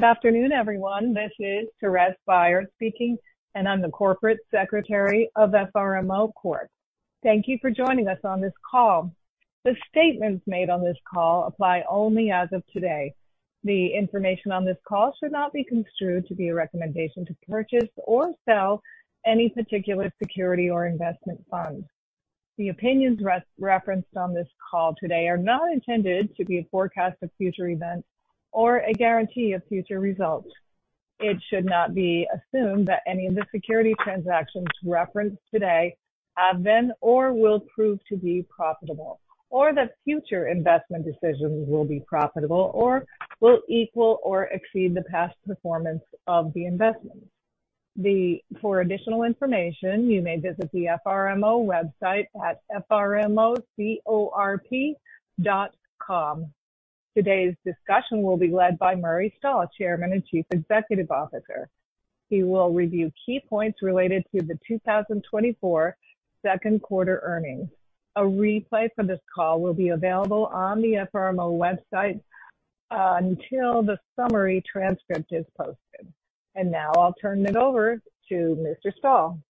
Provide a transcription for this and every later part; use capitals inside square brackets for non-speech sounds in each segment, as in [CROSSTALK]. Good afternoon, everyone. This is Thérèse Byars speaking, and I'm the corporate secretary of FRMO Corp. Thank you for joining us on this call. The statements made on this call apply only as of today. The information on this call should not be construed to be a recommendation to purchase or sell any particular security or investment fund. The opinions referenced on this call today are not intended to be a forecast of future events or a guarantee of future results. It should not be assumed that any of the security transactions referenced today have been or will prove to be profitable, or that future investment decisions will be profitable or will equal or exceed the past performance of the investment. For additional information, you may visit the FRMO website at frmocorp.com. Today's discussion will be led by Murray Stahl, Chairman and Chief Executive Officer. He will review key points related to the 2024 second quarter earnings. A replay for this call will be available on the FRMO website until the summary transcript is posted. Now I'll turn it over to Mr. Stahl.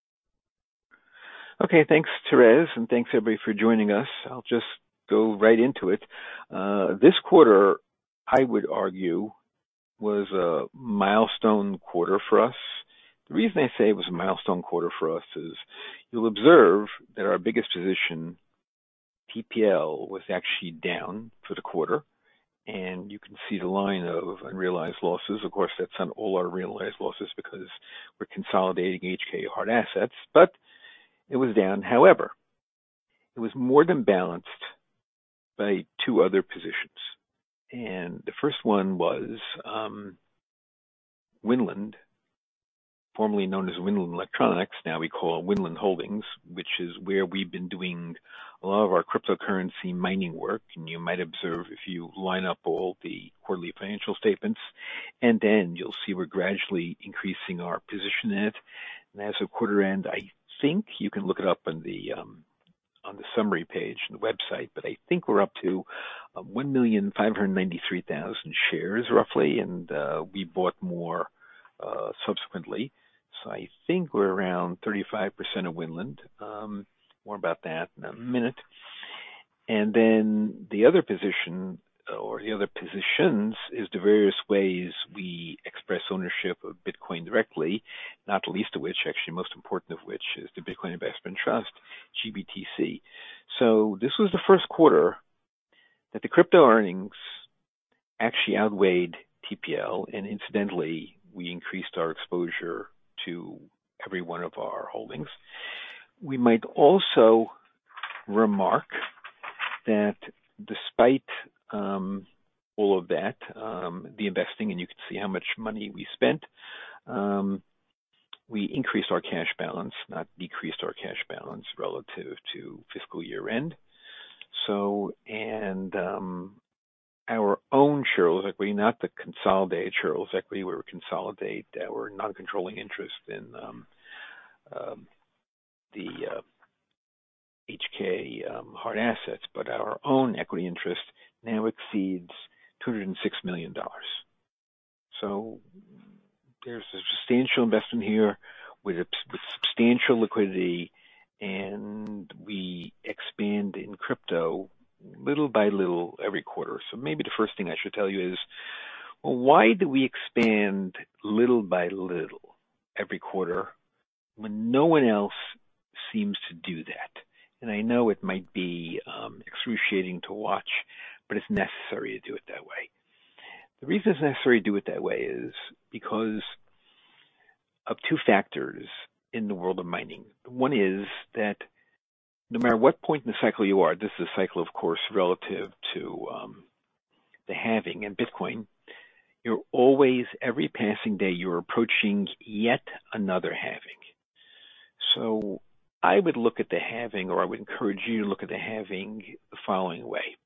Okay, thanks, Thérèse, and thanks everybody for joining us. I'll just go right into it. This quarter, I would argue, was a milestone quarter for us. The reason I say it was a milestone quarter for us is you'll observe that our biggest position, TPL, was actually down for the quarter, and you can see the line of unrealized losses. Of course, that's on all our realized losses because we're consolidating HK Hard Assets, but it was down. However, it was more than balanced by two other positions, and the first one was, Winland, formerly known as Winland Electronics, now we call Winland Holdings, which is where we've been doing a lot of our cryptocurrency mining work. And you might observe, if you line up all the quarterly financial statements, and then you'll see we're gradually increasing our position in it. And as of quarter end, I think you can look it up on the, on the summary page on the website, but I think we're up to 1,593,000 shares, roughly, and we bought more, subsequently. So I think we're around 35% of Winland. More about that in a minute. And then the other position or the other positions is the various ways we express ownership of Bitcoin directly, not least of which, actually, most important of which is the Bitcoin Investment Trust, GBTC. So this was the first quarter that the crypto earnings actually outweighed TPL, and incidentally, we increased our exposure to every one of our holdings. We might also remark that despite all of that, the investing, and you can see how much money we spent, we increased our cash balance, not decreased our cash balance relative to fiscal year-end. So, and our own shareholders' equity, not the consolidated shareholders' equity, we consolidate, we're a non-controlling interest in the HK Hard Assets, but our own equity interest now exceeds $206 million. So there's a substantial investment here with a, with substantial liquidity, and we expand in crypto little by little every quarter. So maybe the first thing I should tell you is, why do we expand little by little every quarter when no one else seems to do that? And I know it might be excruciating to watch, but it's necessary to do it that way. The reason it's necessary to do it that way is because of two factors in the world of mining. One is that no matter what point in the cycle you are, this is a cycle, of course, relative to the halving in Bitcoin. You're always every passing day, you are approaching yet another halving. So I would look at the halving, or I would encourage you to look at the halving the following way: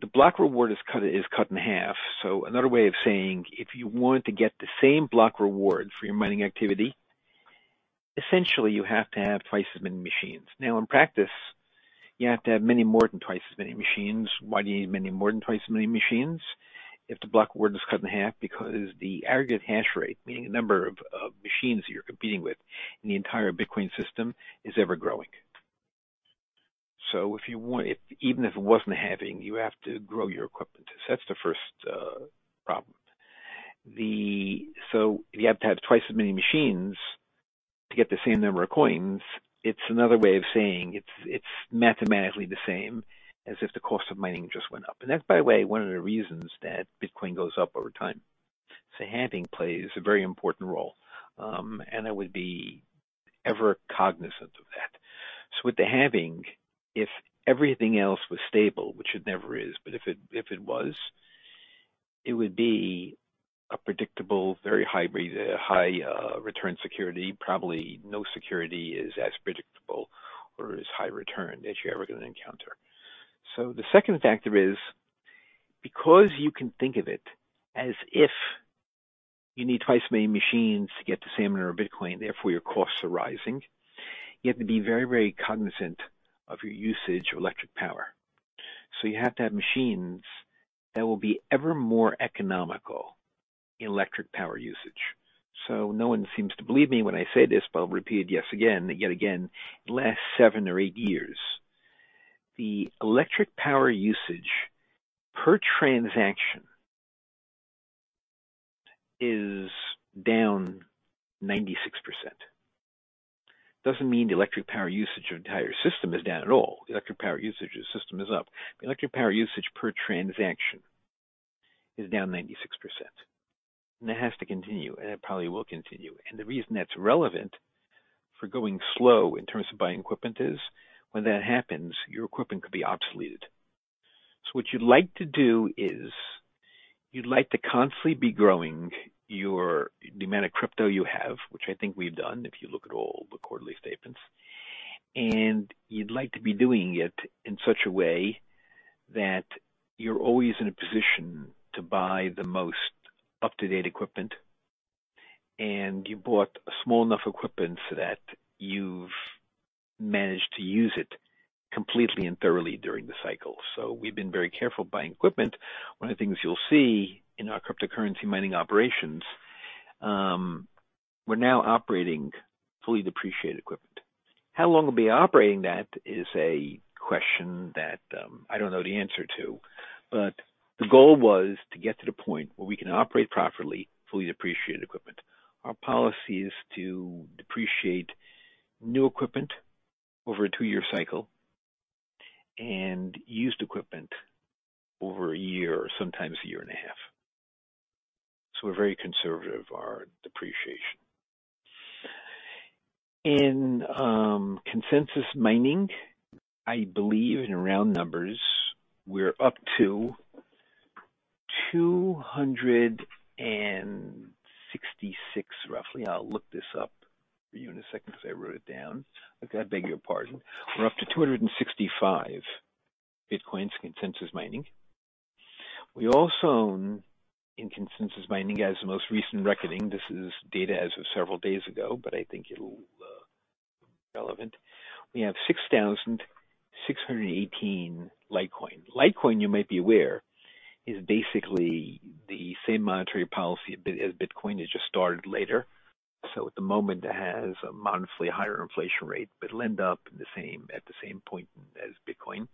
the block reward is cut, is cut in half. So another way of saying, if you want to get the same block reward for your mining activity, essentially, you have to have twice as many machines. Now, in practice, you have to have many more than twice as many machines. Why do you need many more than twice as many machines if the block reward is cut in half? Because the aggregate hash rate, meaning the number of machines you're competing with in the entire Bitcoin system, is ever-growing. So if you want, even if it wasn't halving, you have to grow your equipment. So that's the first problem. So you have to have twice as many machines to get the same number of coins. It's another way of saying it's mathematically the same as if the cost of mining just went up. And that's, by the way, one of the reasons that Bitcoin goes up over time. So halving plays a very important role, and I would be ever cognizant of that. So with the halving, if everything else was stable, which it never is, but if it was, it would be a predictable, very high return security. Probably no security is as predictable or as high return as you're ever gonna encounter. So the second factor is because you can think of it as if you need twice as many machines to get the same amount of Bitcoin, therefore, your costs are rising. You have to be very, very cognizant of your usage of electric power. So you have to have machines that will be ever more economical in electric power usage. So no one seems to believe me when I say this, but I'll repeat it yet again, yet again. In the last eight or eight years, the electric power usage per transaction is down 96%. Doesn't mean the electric power usage of the entire system is down at all. The electric power usage of the system is up. The electric power usage per transaction is down 96%, and it has to continue, and it probably will continue. The reason that's relevant for going slow in terms of buying equipment is, when that happens, your equipment could be obsoleted. What you'd like to do is, you'd like to constantly be growing your, the amount of crypto you have, which I think we've done, if you look at all the quarterly statements. You'd like to be doing it in such a way that you're always in a position to buy the most up-to-date equipment, and you bought a small enough equipment so that you've managed to use it completely and thoroughly during the cycle. We've been very careful buying equipment. One of the things you'll see in our cryptocurrency mining operations, we're now operating fully depreciated equipment. How long we'll be operating that is a question that, I don't know the answer to, but the goal was to get to the point where we can operate properly, fully depreciated equipment. Our policy is to depreciate new equipment over a two-year cycle and used equipment over a year, or sometimes a year and a half. So we're very conservative of our depreciation. In Consensus Mining, I believe in round numbers, we're up to 266, roughly. I'll look this up for you in a second because I wrote it down. I beg your pardon. We're up to 265 Bitcoins Consensus Mining. We also own in Consensus Mining, as the most recent reckoning, this is data as of several days ago, but I think it'll be relevant. We have 6,618 Litecoin. Litecoin, you might be aware, is basically the same monetary policy as Bitcoin, it just started later. So at the moment, it has a moderately higher inflation rate, but it'll end up the same, at the same point as Bitcoin.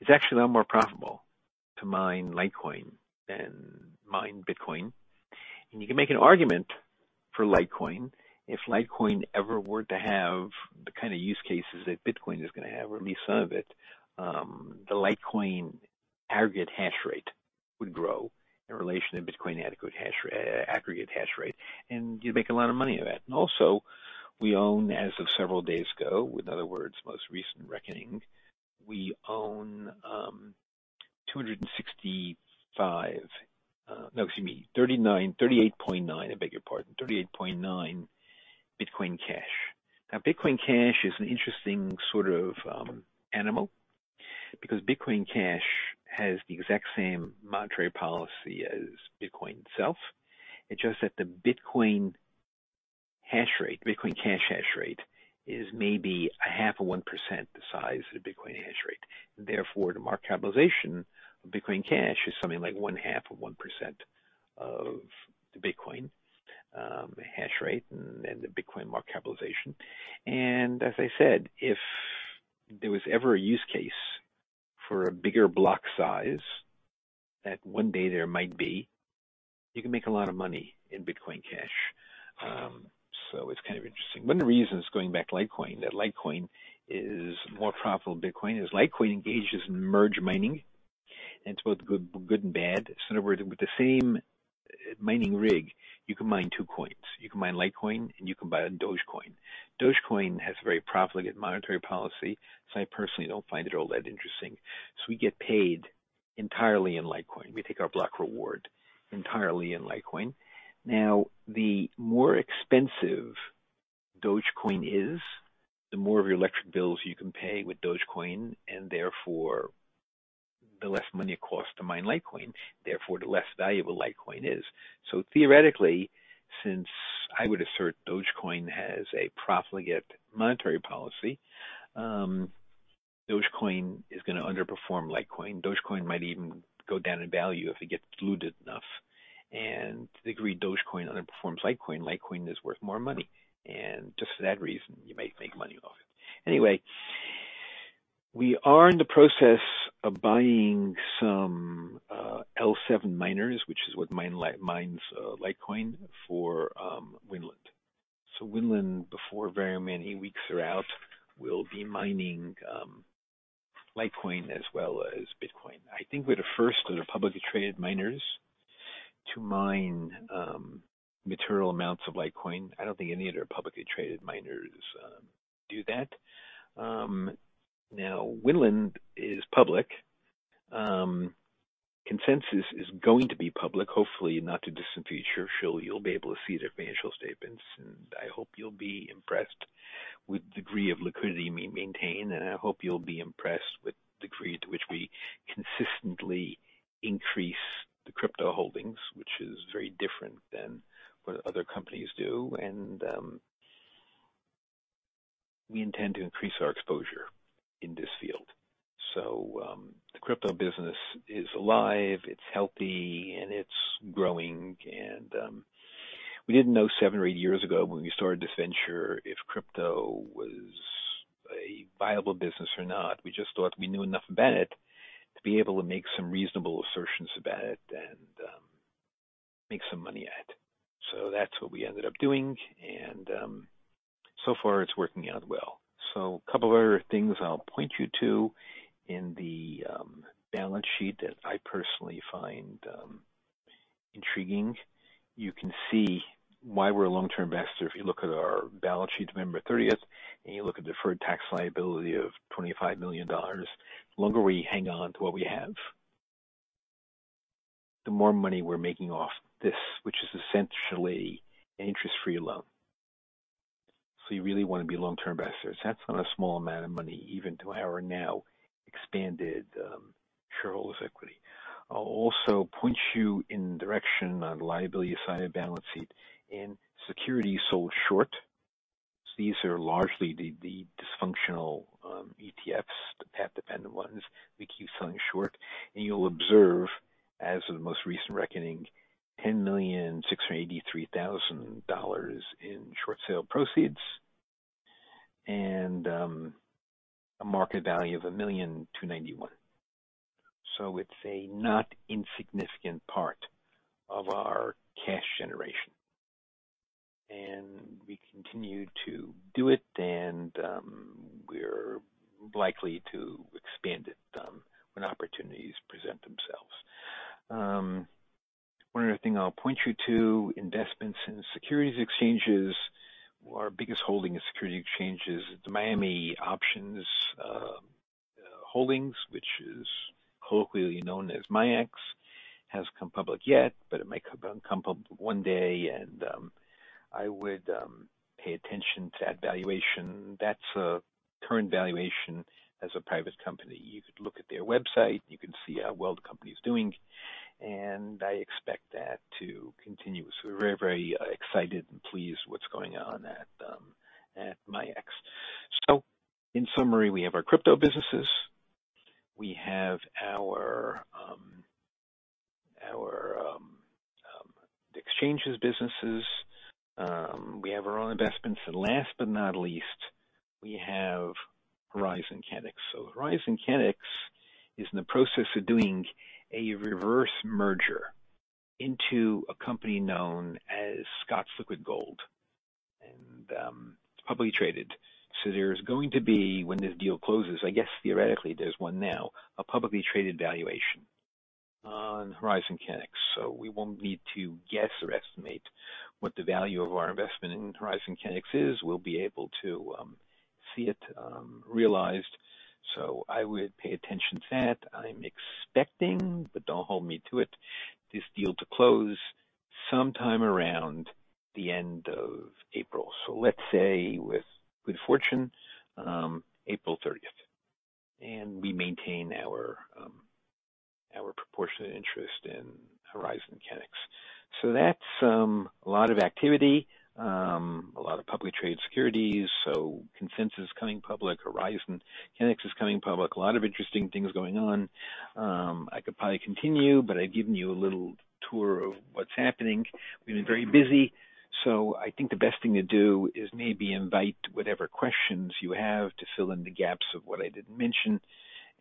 It's actually a lot more profitable to mine Litecoin than mine Bitcoin. And you can make an argument for Litecoin. If Litecoin ever were to have the kind of use cases that Bitcoin is gonna have, or at least some of it, the Litecoin aggregate hash rate would grow in relation to Bitcoin aggregate hash rate, and you'd make a lot of money of that. And also, we own, as of several days ago, in other words, most recent reckoning, we own, 265... No, excuse me, 39, 38.9. I beg your pardon. 38.9 Bitcoin Cash. Now, Bitcoin Cash is an interesting sort of animal because Bitcoin Cash has the exact same monetary policy as Bitcoin itself. It's just that the Bitcoin hash rate, Bitcoin Cash hash rate, is maybe 0.5% the size of the Bitcoin hash rate. Therefore, the market capitalization of Bitcoin Cash is something like 0.5% of the Bitcoin hash rate and the Bitcoin market capitalization. And as I said, if there was ever a use case for a bigger block size, that one day there might be, you can make a lot of money in Bitcoin Cash. So it's kind of interesting. One of the reasons going back to Litecoin, that Litecoin is more profitable than Bitcoin, is Litecoin engages in merge mining, and it's both good, good, and bad. So in other words, with the same mining rig, you can mine two coins. You can mine Litecoin, and you can mine Dogecoin. Dogecoin has a very profligate monetary policy, so I personally don't find it all that interesting. So we get paid entirely in Litecoin. We take our block reward entirely in Litecoin. Now, the more expensive Dogecoin is, the more of your electric bills you can pay with Dogecoin, and therefore, the less money it costs to mine Litecoin, therefore, the less valuable Litecoin is. So theoretically, since I would assert Dogecoin has a profligate monetary policy, Dogecoin is gonna underperform Litecoin. Dogecoin might even go down in value if it gets diluted enough. And to the degree Dogecoin underperforms Litecoin, Litecoin is worth more money, and just for that reason, you might make money off it. Anyway, we are in the process of buying some L7 miners, which is what mines Litecoin for Winland. So Winland, before very many weeks are out, will be mining Litecoin as well as Bitcoin. I think we're the first of the publicly traded miners to mine material amounts of Litecoin. I don't think any other publicly traded miners do that. Now, Winland is public. Consensus is going to be public, hopefully, not too distant future. So you'll be able to see their financial statements, and I hope you'll be impressed with degree of liquidity we maintain, and I hope you'll be impressed with the degree to which we consistently increase the crypto holdings, which is very different than what other companies do. And we intend to increase our exposure in this field. The crypto business is alive, it's healthy, and it's growing. We didn't know seven or eight years ago when we started this venture, if crypto was a viable business or not. We just thought we knew enough about it to be able to make some reasonable assertions about it and make some money at. So that's what we ended up doing, and so far it's working out well. A couple of other things I'll point you to in the balance sheet that I personally find intriguing. You can see why we're a long-term investor. If you look at our balance sheet, November 30th, and you look at deferred tax liability of $25 million. The longer we hang on to what we have, the more money we're making off this, which is essentially an interest-free loan. So you really want to be a long-term investor. That's not a small amount of money, even to our now expanded shareholders' equity. I'll also point you in the direction on the liability side of the balance sheet in securities sold short. These are largely the dysfunctional ETFs, the path-dependent ones we keep selling short, and you'll observe, as of the most recent reckoning, $10,683,000 in short sale proceeds and a market value of $1,291,000. So it's a not insignificant part of our cash generation, and we continue to do it, and we're likely to expand it when opportunities present themselves. One other thing I'll point you to, investments in securities exchanges. Our biggest holding in securities exchanges, the Miami International Holdings, which is colloquially known as MIAX, hasn't come public yet, but it might come public one day, and I would pay attention to that valuation. That's a current valuation as a private company. You could look at their website, you can see how well the company is doing, and I expect that to continue. So we're very, very excited and pleased what's going on at MIAX. So in summary, we have our crypto businesses, we have our exchanges businesses, we have our own investments, and last but not least, we have Horizon Kinetics. So Horizon Kinetics is in the process of doing a reverse merger into a company known as Scott's Liquid Gold, and it's publicly traded. So there's going to be, when this deal closes, I guess theoretically, there's one now, a publicly traded valuation on Horizon Kinetics. So we won't need to guess or estimate what the value of our investment in Horizon Kinetics is. We'll be able to see it realized. So I would pay attention to that. I'm expecting, but don't hold me to it, this deal to close sometime around the end of April. So let's say with fortune, April 30th, and we maintain our proportionate interest in Horizon Kinetics. So that's a lot of activity, a lot of publicly traded securities. So Consensus is coming public, Horizon Kinetics is coming public. A lot of interesting things going on. I could probably continue, but I've given you a little tour of what's happening. We've been very busy, so I think the best thing to do is maybe invite whatever questions you have to fill in the gaps of what I didn't mention,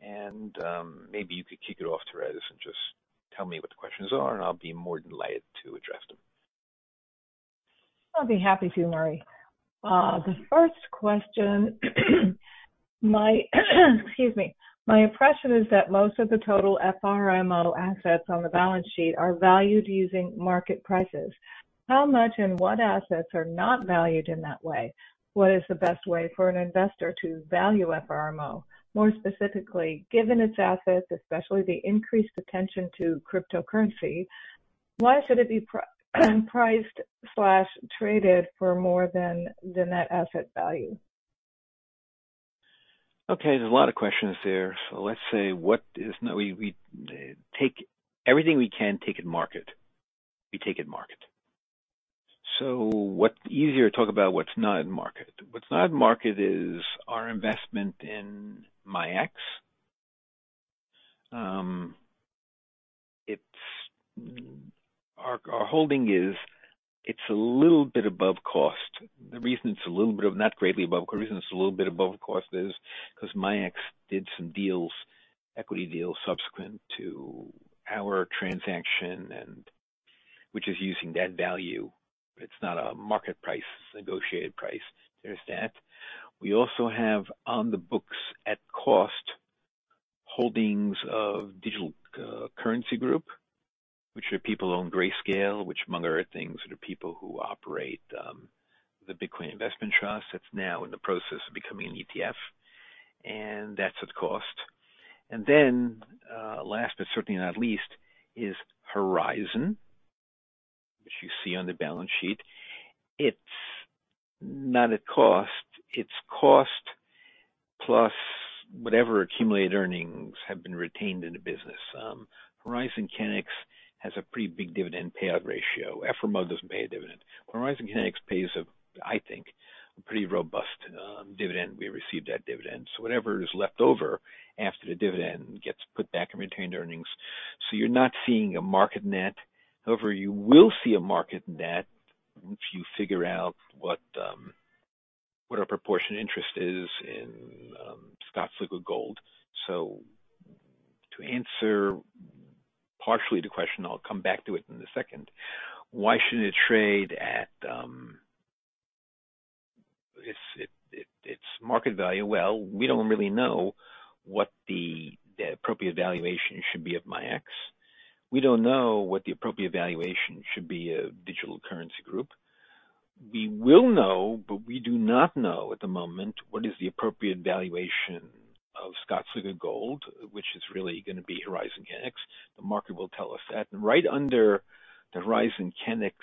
and, maybe you could kick it off, Thérèse, and just tell me what the questions are, and I'll be more than delighted to address them. I'll be happy to, Murray. The first question. My impression is that most of the total FRMO assets on the balance sheet are valued using market prices. How much and what assets are not valued in that way? What is the best way for an investor to value FRMO? More specifically, given its assets, especially the increased attention to cryptocurrency, why should it be priced slash traded for more than the net asset value? Okay, there's a lot of questions there. So let's say what is... We take everything we can take at market, we take at market. So what's easier to talk about, what's not in market. What's not in market is our investment in MIAX. Our holding is a little bit above cost. The reason it's a little bit, not greatly above, the reason it's a little bit above cost is because MIAX did some deals, equity deals, subsequent to our transaction and which is using that value. It's not a market price, it's a negotiated price. There's that. We also have on the books at cost, holdings of Digital Currency Group, which are people who own Grayscale, which, among other things, are the people who operate the Bitcoin Investment Trust. That's now in the process of becoming an ETF, and that's at cost. And then, last, but certainly not least, is Horizon. You see on the balance sheet, it's not at cost. It's cost plus whatever accumulated earnings have been retained in the business. Horizon Kinetics has a pretty big dividend payout ratio. FRMO doesn't pay a dividend. Horizon Kinetics pays a, I think, a pretty robust dividend. We receive that dividend, so whatever is left over after the dividend gets put back in retained earnings. So you're not seeing a market net. However, you will see a market net if you figure out what our proportion interest is in Scott's Liquid Gold. So to answer partially the question, I'll come back to it in a second. Why should it trade at... It's, it, it, it's market value. Well, we don't really know what the appropriate valuation should be of MIAX. We don't know what the appropriate valuation should be of Digital Currency Group. We will know, but we do not know at the moment, what is the appropriate valuation of Scott's Liquid Gold, which is really gonna be Horizon Kinetics. The market will tell us that. And right under the Horizon Kinetics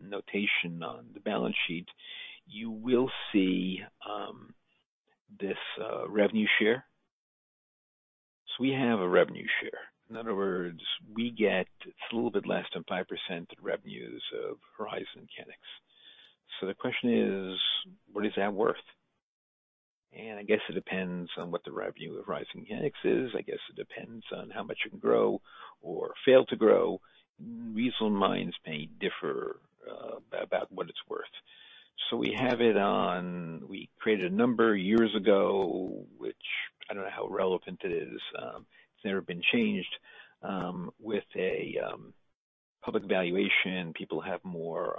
notation on the balance sheet, you will see this revenue share. So we have a revenue share. In other words, we get... It's a little bit less than 5% of the revenues of Horizon Kinetics. So the question is, what is that worth? And I guess it depends on what the revenue of Horizon Kinetics is. I guess it depends on how much it can grow or fail to grow. Reasonable minds may differ about what it's worth. So we have it on... We created a number years ago, which I don't know how relevant it is. It's never been changed. With a public valuation, people have more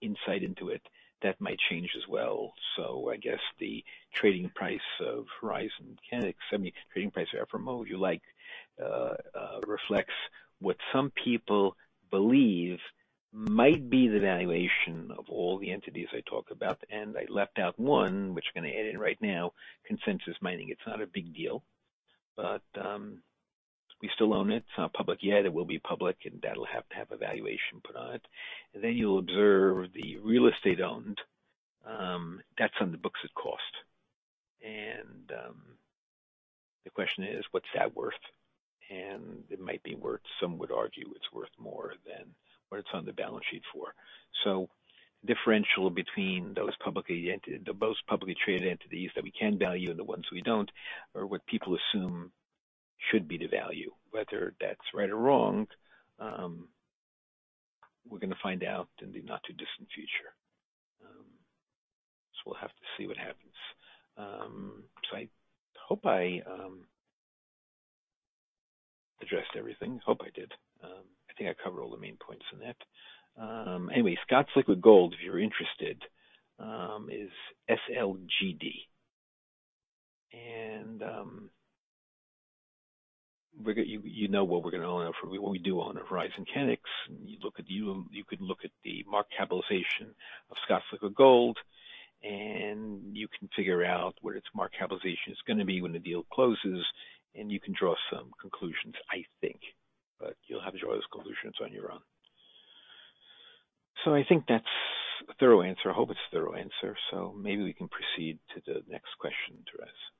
insight into it. That might change as well. So I guess the trading price of Horizon Kinetics, I mean, trading price of FRMO, if you like, reflects what some people believe might be the valuation of all the entities I talked about. And I left out one, which I'm gonna add in right now, Consensus Mining. It's not a big deal, but we still own it. It's not public yet. It will be public, and that'll have to have a valuation put on it. And then you'll observe the real estate owned, that's on the books at cost. And the question is, what's that worth? It might be worth, some would argue it's worth more than what it's on the balance sheet for. So the differential between those public entities, the most publicly traded entities that we can value, and the ones we don't, are what people assume should be the value. Whether that's right or wrong, we're gonna find out in the not-too-distant future. So we'll have to see what happens. So I hope I addressed everything. Hope I did. I think I covered all the main points on that. Anyway, Scott's Liquid Gold, if you're interested, is SLGD. And we're gonna... You know what we're gonna own, what we do own of Horizon Kinetics, and you can look at the market capitalization of Scott's Liquid Gold, and you can figure out what its market capitalization is gonna be when the deal closes, and you can draw some conclusions, I think. But you'll have to draw those conclusions on your own. So I think that's a thorough answer. I hope it's a thorough answer. So maybe we can proceed to the next question, Thérèse.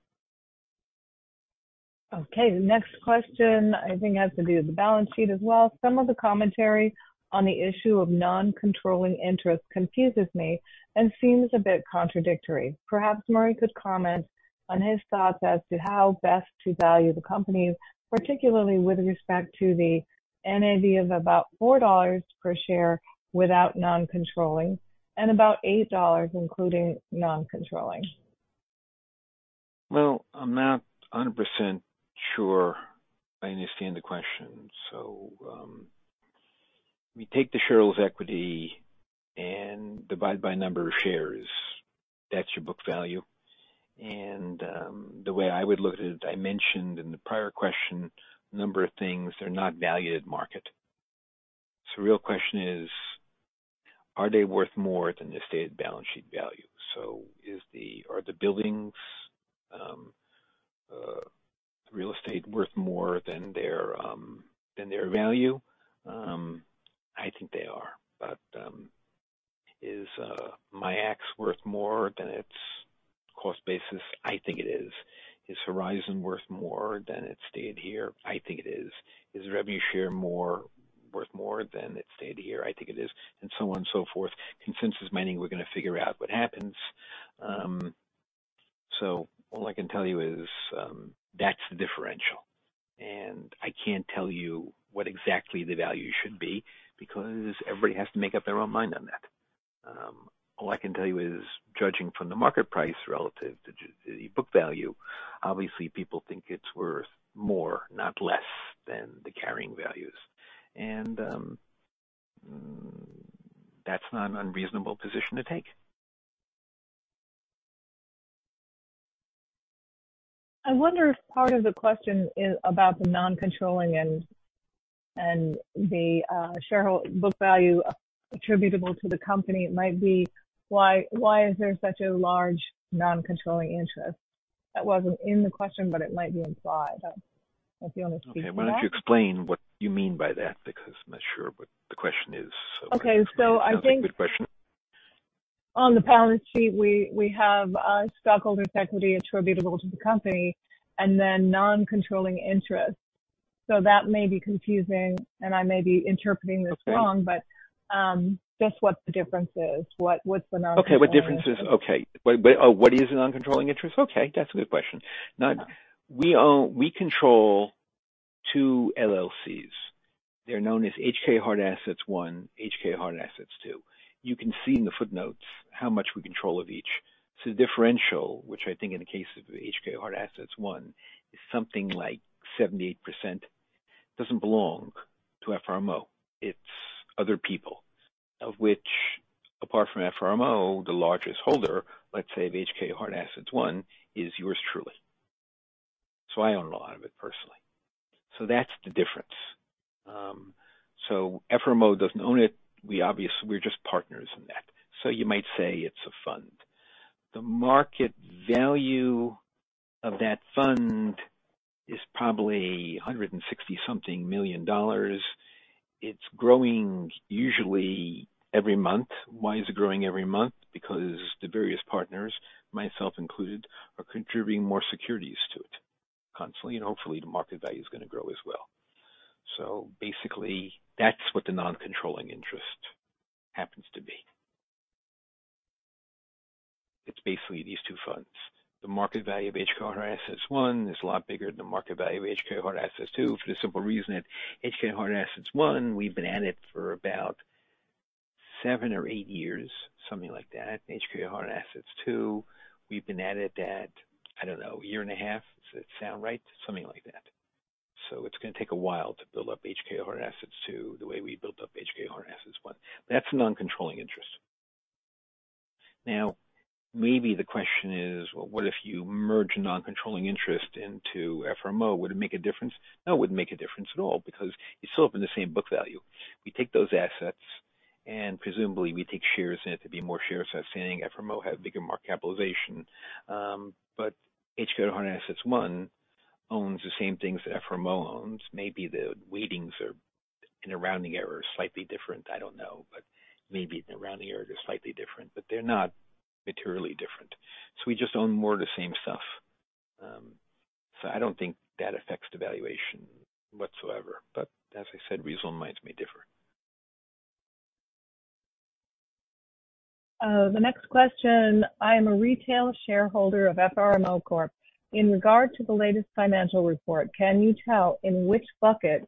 Okay, the next question I think has to do with the balance sheet as well. Some of the commentary on the issue of non-controlling Interest confuses me and seems a bit contradictory. Perhaps Murray could comment on his thoughts as to how best to value the companies, particularly with respect to the NAV of about $4 per share without non-controlling, and about $8, including non-controlling. Well, I'm not 100% sure I understand the question. So, we take the shareholder's equity and divide by number of shares. That's your book value. And, the way I would look at it, I mentioned in the prior question, a number of things, they're not valued at market. So the real question is, are they worth more than the stated balance sheet value? So is the... Are the buildings, real estate worth more than their, than their value? I think they are. But, is, MIAX worth more than its cost basis? I think it is. Is Horizon worth more than it's stated here? I think it is. Is revenue share more, worth more than it's stated here? I think it is. And so on, so forth. Consensus Mining, we're gonna figure out what happens. So all I can tell you is, that's the differential, and I can't tell you what exactly the value should be, because everybody has to make up their own mind on that. All I can tell you is, judging from the market price relative to the book value, obviously people think it's worth more, not less, than the carrying values. And that's not an unreasonable position to take. I wonder if part of the question is about the non-controlling and the shareholder book value attributable to the company might be, why is there such a large non-controlling Interest? That wasn't in the question, but it might be implied, if you want to speak to that. Okay, why don't you explain what you mean by that? Because I'm not sure what the question is, so- Okay, so I think [CROSSTALK] on the balance sheet, we have stockholders' equity attributable to the company and then non-controlling Interest. So that may be confusing, and I may be interpreting this wrong but just what the difference is. What, what's the non-controlling— Okay, what the difference is. Okay. Wait, wait, what is a non-controlling interest? Okay, that's a good question. Now, we own... We control two LLCs. They're known as HK Hard Assets 1, HK Hard Assets 2. You can see in the footnotes how much we control of each. So the differential, which I think in the case of HK Hard Assets 1, is something like 78%, doesn't belong to FRMO. It's other people, of which, apart from FRMO, the largest holder, let's say, of HK Hard Assets 1, is yours truly. So I own a lot of it personally. So that's the difference. So FRMO doesn't own it. We obviously- we're just partners in that. So you might say it's a fund. The market value of that fund is probably $160-something million. It's growing usually every month. Why is it growing every month? Because the various partners, myself included, are contributing more securities to it constantly, and hopefully, the market value is gonna grow as well. So basically, that's what the non-controlling interest happens to be. It's basically these two funds. The market value of HK Hard Assets 1 is a lot bigger than the market value of HK Hard Assets 2, for the simple reason that HK Hard Assets 1, we've been at it for about seven or eight years, something like that. HK Hard Assets 2, we've been at it at, I don't know, a year and a half. Does that sound right? Something like that. So it's gonna take a while to build up HK Hard Assets 2, the way we built up HK Hard Assets 1. That's non-controlling interest. Now, maybe the question is: Well, what if you merge a non-controlling interest into FRMO? Would it make a difference? No, it wouldn't make a difference at all because it's still up in the same book value. We take those assets, and presumably, we take shares in it to be more shares, so saying FRMO have bigger market capitalization. But HK Hard Assets LLC owns the same things that FRMO owns. Maybe the weightings are, in a rounding error, slightly different. I don't know, but maybe the rounding error is slightly different, but they're not materially different. So we just own more of the same stuff. So I don't think that affects the valuation whatsoever, but as I said, reasonable minds may differ. The next question: I am a retail shareholder of FRMO Corp. In regard to the latest financial report, can you tell in which bucket,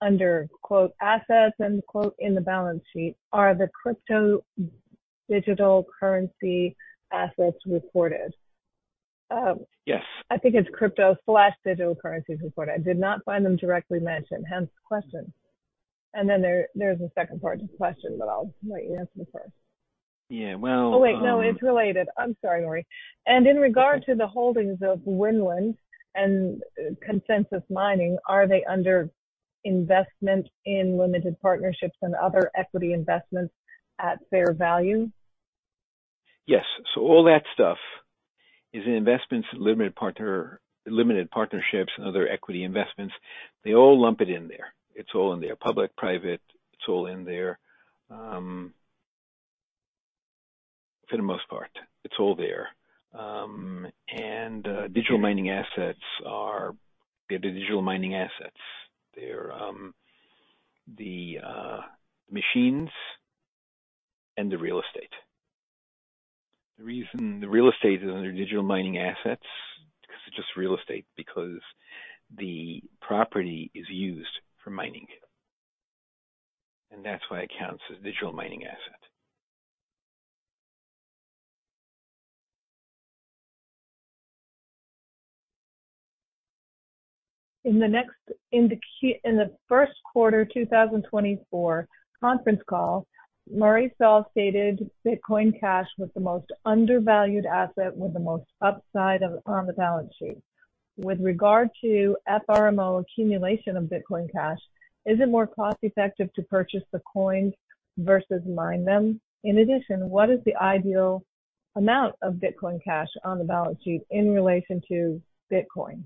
under, quote, assets, unquote, in the balance sheet, are the crypto digital currency assets reported? Yes. I think it's crypto/digital currency reported. I did not find them directly mentioned, hence the question. Then there, there's a second part to the question, but I'll let you answer the first. Yeah, well— Oh, wait, no, it's related. I'm sorry, Murray. In regard to the holdings of Winland and Consensus Mining, are they under investment in limited partnerships and other equity investments at fair value? Yes. So all that stuff is in investments, limited partner, limited partnerships, and other equity investments. They all lump it in there. It's all in there. Public, private, it's all in there. For the most part, it's all there. Digital mining assets are... They're the digital mining assets. They're the machines and the real estate. The reason the real estate is under digital mining assets, because it's just real estate, because the property is used for mining, and that's why it counts as digital mining asset. In the first quarter 2024 conference call, Murray Stahl stated Bitcoin Cash was the most undervalued asset with the most upside on the balance sheet. With regard to FRMO accumulation of Bitcoin Cash, is it more cost-effective to purchase the coins versus mine them? In addition, what is the ideal amount of Bitcoin Cash on the balance sheet in relation to Bitcoin?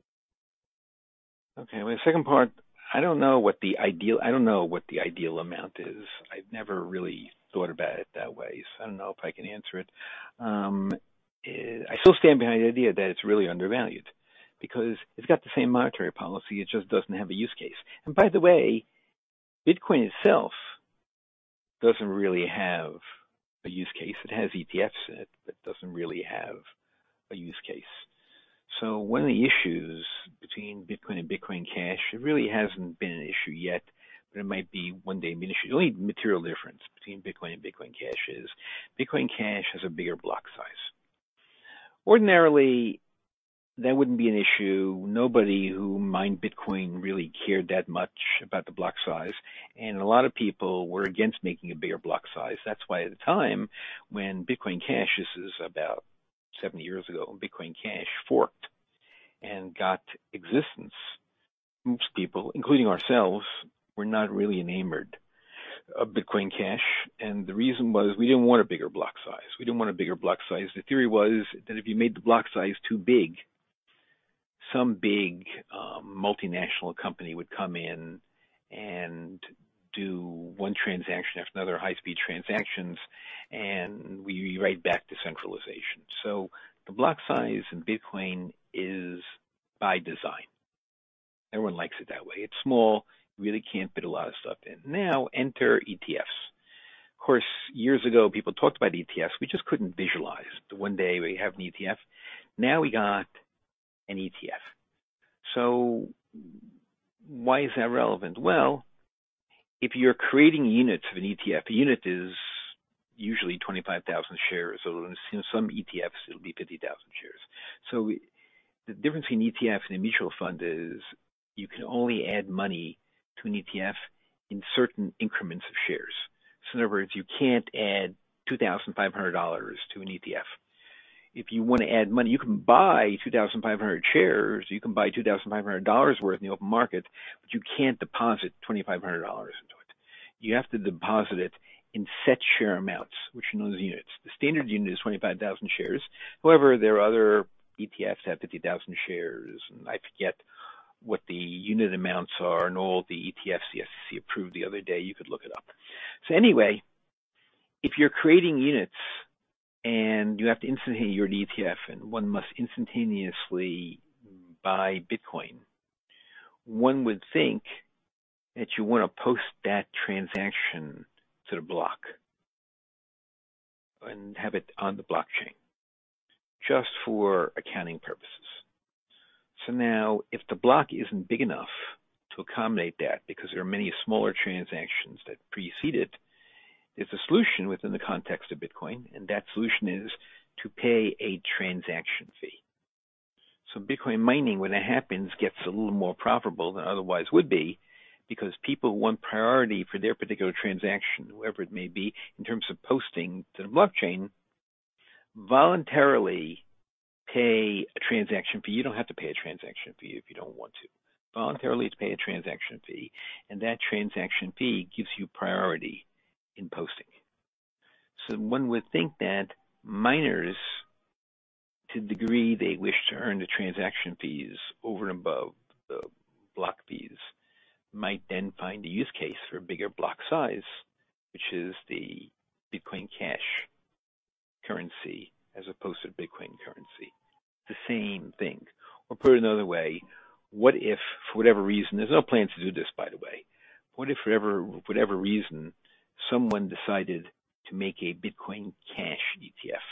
Okay, well, the second part, I don't know what the ideal, I don't know what the ideal amount is. I've never really thought about it that way, so I don't know if I can answer it. I still stand behind the idea that it's really undervalued because it's got the same monetary policy. It just doesn't have a use case. And by the way, Bitcoin itself doesn't really have a use case. It has ETFs in it, but doesn't really have a use case. So one of the issues between Bitcoin and Bitcoin Cash, it really hasn't been an issue yet, but it might be one day be an issue. The only material difference between Bitcoin and Bitcoin Cash is Bitcoin Cash has a bigger block size. Ordinarily, that wouldn't be an issue. Nobody who mined Bitcoin really cared that much about the block size, and a lot of people were against making a bigger block size. That's why at the time when Bitcoin Cash, this is about seven years ago, Bitcoin Cash forked and got existence. Most people, including ourselves, were not really enamored of Bitcoin Cash, and the reason was we didn't want a bigger block size. We didn't want a bigger block size. The theory was that if you made the block size too big, some big, multinational company would come in and do one transaction after another, high-speed transactions, and we'd be right back to centralization. So the block size in Bitcoin is by design. Everyone likes it that way. It's small, you really can't fit a lot of stuff in. Now, enter ETFs. Of course, years ago, people talked about ETFs. We just couldn't visualize that one day we'd have an ETF. Now we got an ETF. So why is that relevant? Well, if you're creating units of an ETF, a unit is usually 25,000 shares, although, in some ETFs, it'll be 50,000 shares. So we... The difference between an ETF and a mutual fund is you can only add money to an ETF in certain increments of shares. So in other words, you can't add $2,500 to an ETF. If you want to add money, you can buy 2,500 shares, you can buy $2,500 worth in the open market, but you can't deposit $2,500 into it. You have to deposit it in set share amounts, which are known as units. The standard unit is 25,000 shares. However, there are other ETFs that have 50,000 shares, and I forget what the unit amounts are in all the ETFs the SEC approved the other day. You could look it up. So anyway, if you're creating units and you have to instant your ETF, and one must instantaneously buy Bitcoin, one would think that you want to post that transaction to the block and have it on the blockchain, just for accounting purposes. So now, if the block isn't big enough to accommodate that, because there are many smaller transactions that precede it, there's a solution within the context of Bitcoin, and that solution is to pay a transaction fee. So Bitcoin mining, when that happens, gets a little more profitable than it otherwise would be, because people who want priority for their particular transaction, whoever it may be, in terms of posting to the blockchain, voluntarily pay a transaction fee. You don't have to pay a transaction fee if you don't want to. Voluntarily, to pay a transaction fee, and that transaction fee gives you priority in posting. So one would think that miners, to the degree they wish to earn the transaction fees over and above the block fees, might then find a use case for a bigger block size, which is the Bitcoin Cash currency, as opposed to Bitcoin currency. The same thing. Or put another way, what if for whatever reason, there's no plan to do this, by the way, what if for whatever reason, someone decided to make a Bitcoin Cash ETF?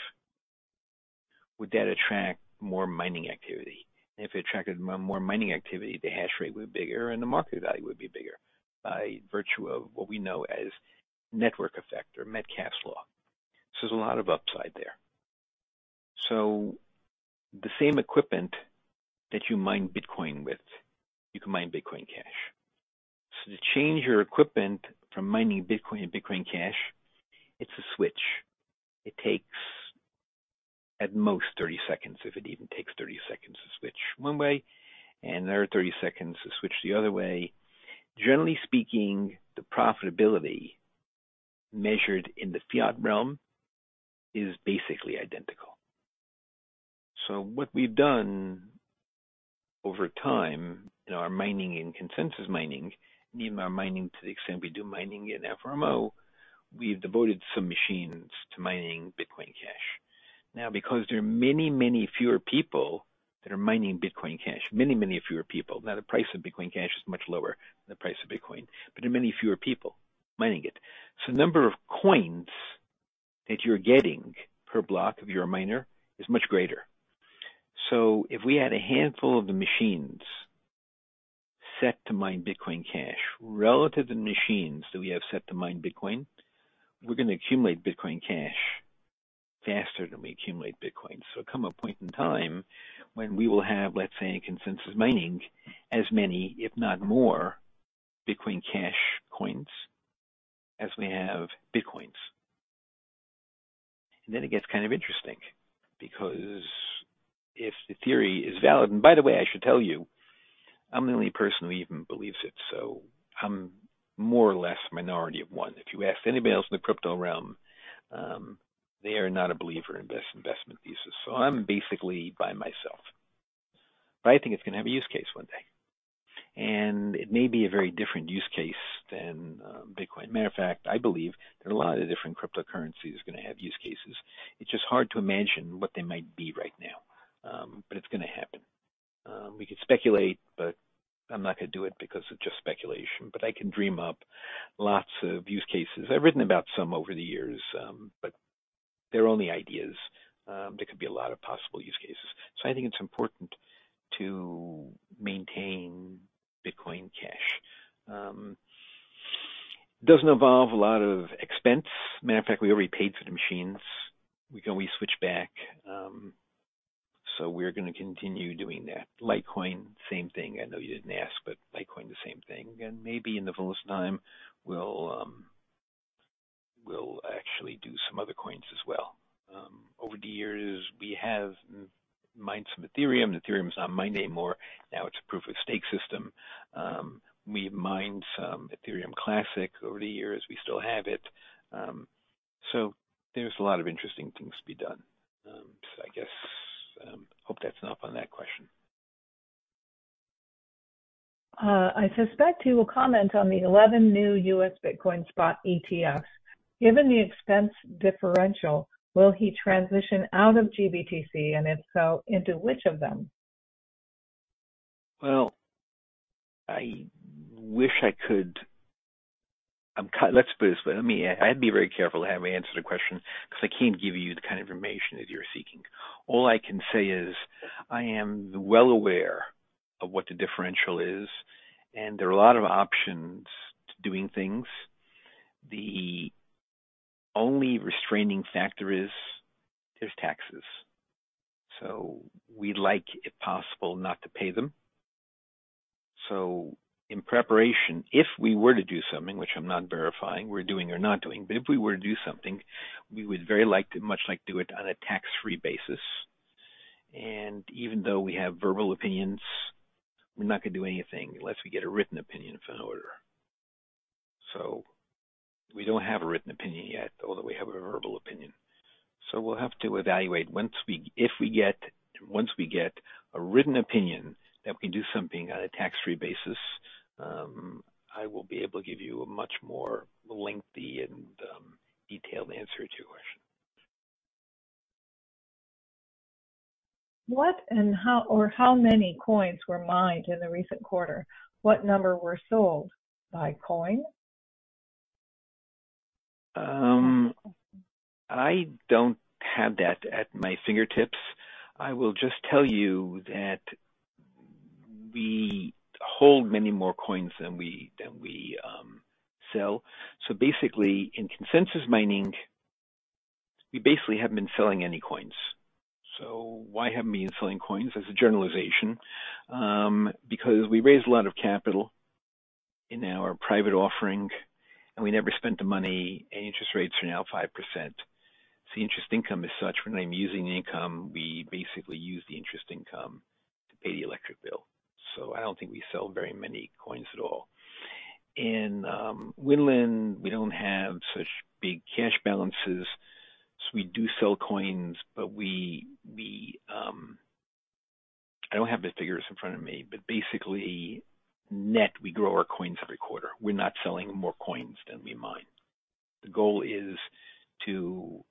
Would that attract more mining activity? And if it attracted more mining activity, the hash rate would be bigger and the market value would be bigger, by virtue of what we know as network effect or Metcalfe's Law. So there's a lot of upside there. So the same equipment that you mine Bitcoin with, you can mine Bitcoin Cash. So to change your equipment from mining Bitcoin to Bitcoin Cash, it's a switch. It takes at most 30 seconds, if it even takes 30 seconds, to switch one way, and another 30 seconds to switch the other way. Generally speaking, the profitability measured in the fiat realm is basically identical. So what we've done over time in our mining, in Consensus mining, and even our mining to the extent we do mining in FRMO, we've devoted some machines to mining Bitcoin Cash. Now, because there are many, many fewer people that are mining Bitcoin Cash, many, many fewer people, now, the price of Bitcoin Cash is much lower than the price of Bitcoin, but there are many fewer people mining it. So the number of coins that you're getting per block, if you're a miner, is much greater. So if we had a handful of the machines set to mine Bitcoin Cash, relative to the machines that we have set to mine Bitcoin, we're gonna accumulate Bitcoin Cash faster than we accumulate Bitcoin. So come a point in time when we will have, let's say, in Consensus Mining, as many, if not more, Bitcoin Cash coins as we have Bitcoins. And then it gets kind of interesting because if the theory is valid. By the way, I should tell you, I'm the only person who even believes it, so I'm more or less minority of one. If you ask anybody else in the crypto realm, they are not a believer in this investment thesis, so I'm basically by myself. But I think it's gonna have a use case one day, and it may be a very different use case than Bitcoin. Matter of fact, I believe that a lot of the different cryptocurrencies are gonna have use cases. It's just hard to imagine what they might be right now, but it's gonna happen. We could speculate, but I'm not gonna do it because it's just speculation. But I can dream up lots of use cases. I've written about some over the years, but they're only ideas. There could be a lot of possible use cases. So I think it's important to maintain Bitcoin Cash. Doesn't involve a lot of expense. Matter of fact, we already paid for the machines. We can always switch back, so we're gonna continue doing that. Litecoin, same thing. I know you didn't ask, but Litecoin, the same thing. And maybe in the fullest time, we'll actually do some other coins as well. Over the years, we have mined some Ethereum. Ethereum is not mining anymore. Now it's a Proof of Stake system. We mined some Ethereum Classic over the years. We still have it. So there's a lot of interesting things to be done. So I guess, hope that's enough on that question. I suspect he will comment on the 11 new U.S. Bitcoin spot ETFs. Given the expense differential, will he transition out of GBTC, and if so, into which of them? Well, I wish I could. Let's put it this way. Let me... I'd be very careful how I answer the question, because I can't give you the kind of information that you're seeking. All I can say is, I am well aware of what the differential is, and there are a lot of options to doing things. The only restraining factor is taxes. So we'd like, if possible, not to pay them. So in preparation, if we were to do something, which I'm not verifying we're doing or not doing, but if we were to do something, we would very like to, much like do it on a tax-free basis. And even though we have verbal opinions, we're not going to do anything unless we get a written opinion of an order. So we don't have a written opinion yet, although we have a verbal opinion. So we'll have to evaluate once we get a written opinion that we can do something on a tax-free basis. I will be able to give you a much more lengthy and detailed answer to your question. What and how, or how many coins were mined in the recent quarter? What number were sold, by coin? I don't have that at my fingertips. I will just tell you that we hold many more coins than we sell. So basically, in Consensus Mining, we basically haven't been selling any coins. So why haven't we been selling coins as a generalization? Because we raised a lot of capital in our private offering, and we never spent the money, and interest rates are now 5%. So the interest income is such, we're not even using the income. We basically use the interest income to pay the electric bill. So I don't think we sell very many coins at all. In, Winland, we don't have such big cash balances, so we do sell coins, but we... I don't have the figures in front of me, but basically, net, we grow our coins every quarter. We're not selling more coins than we mine. The goal is to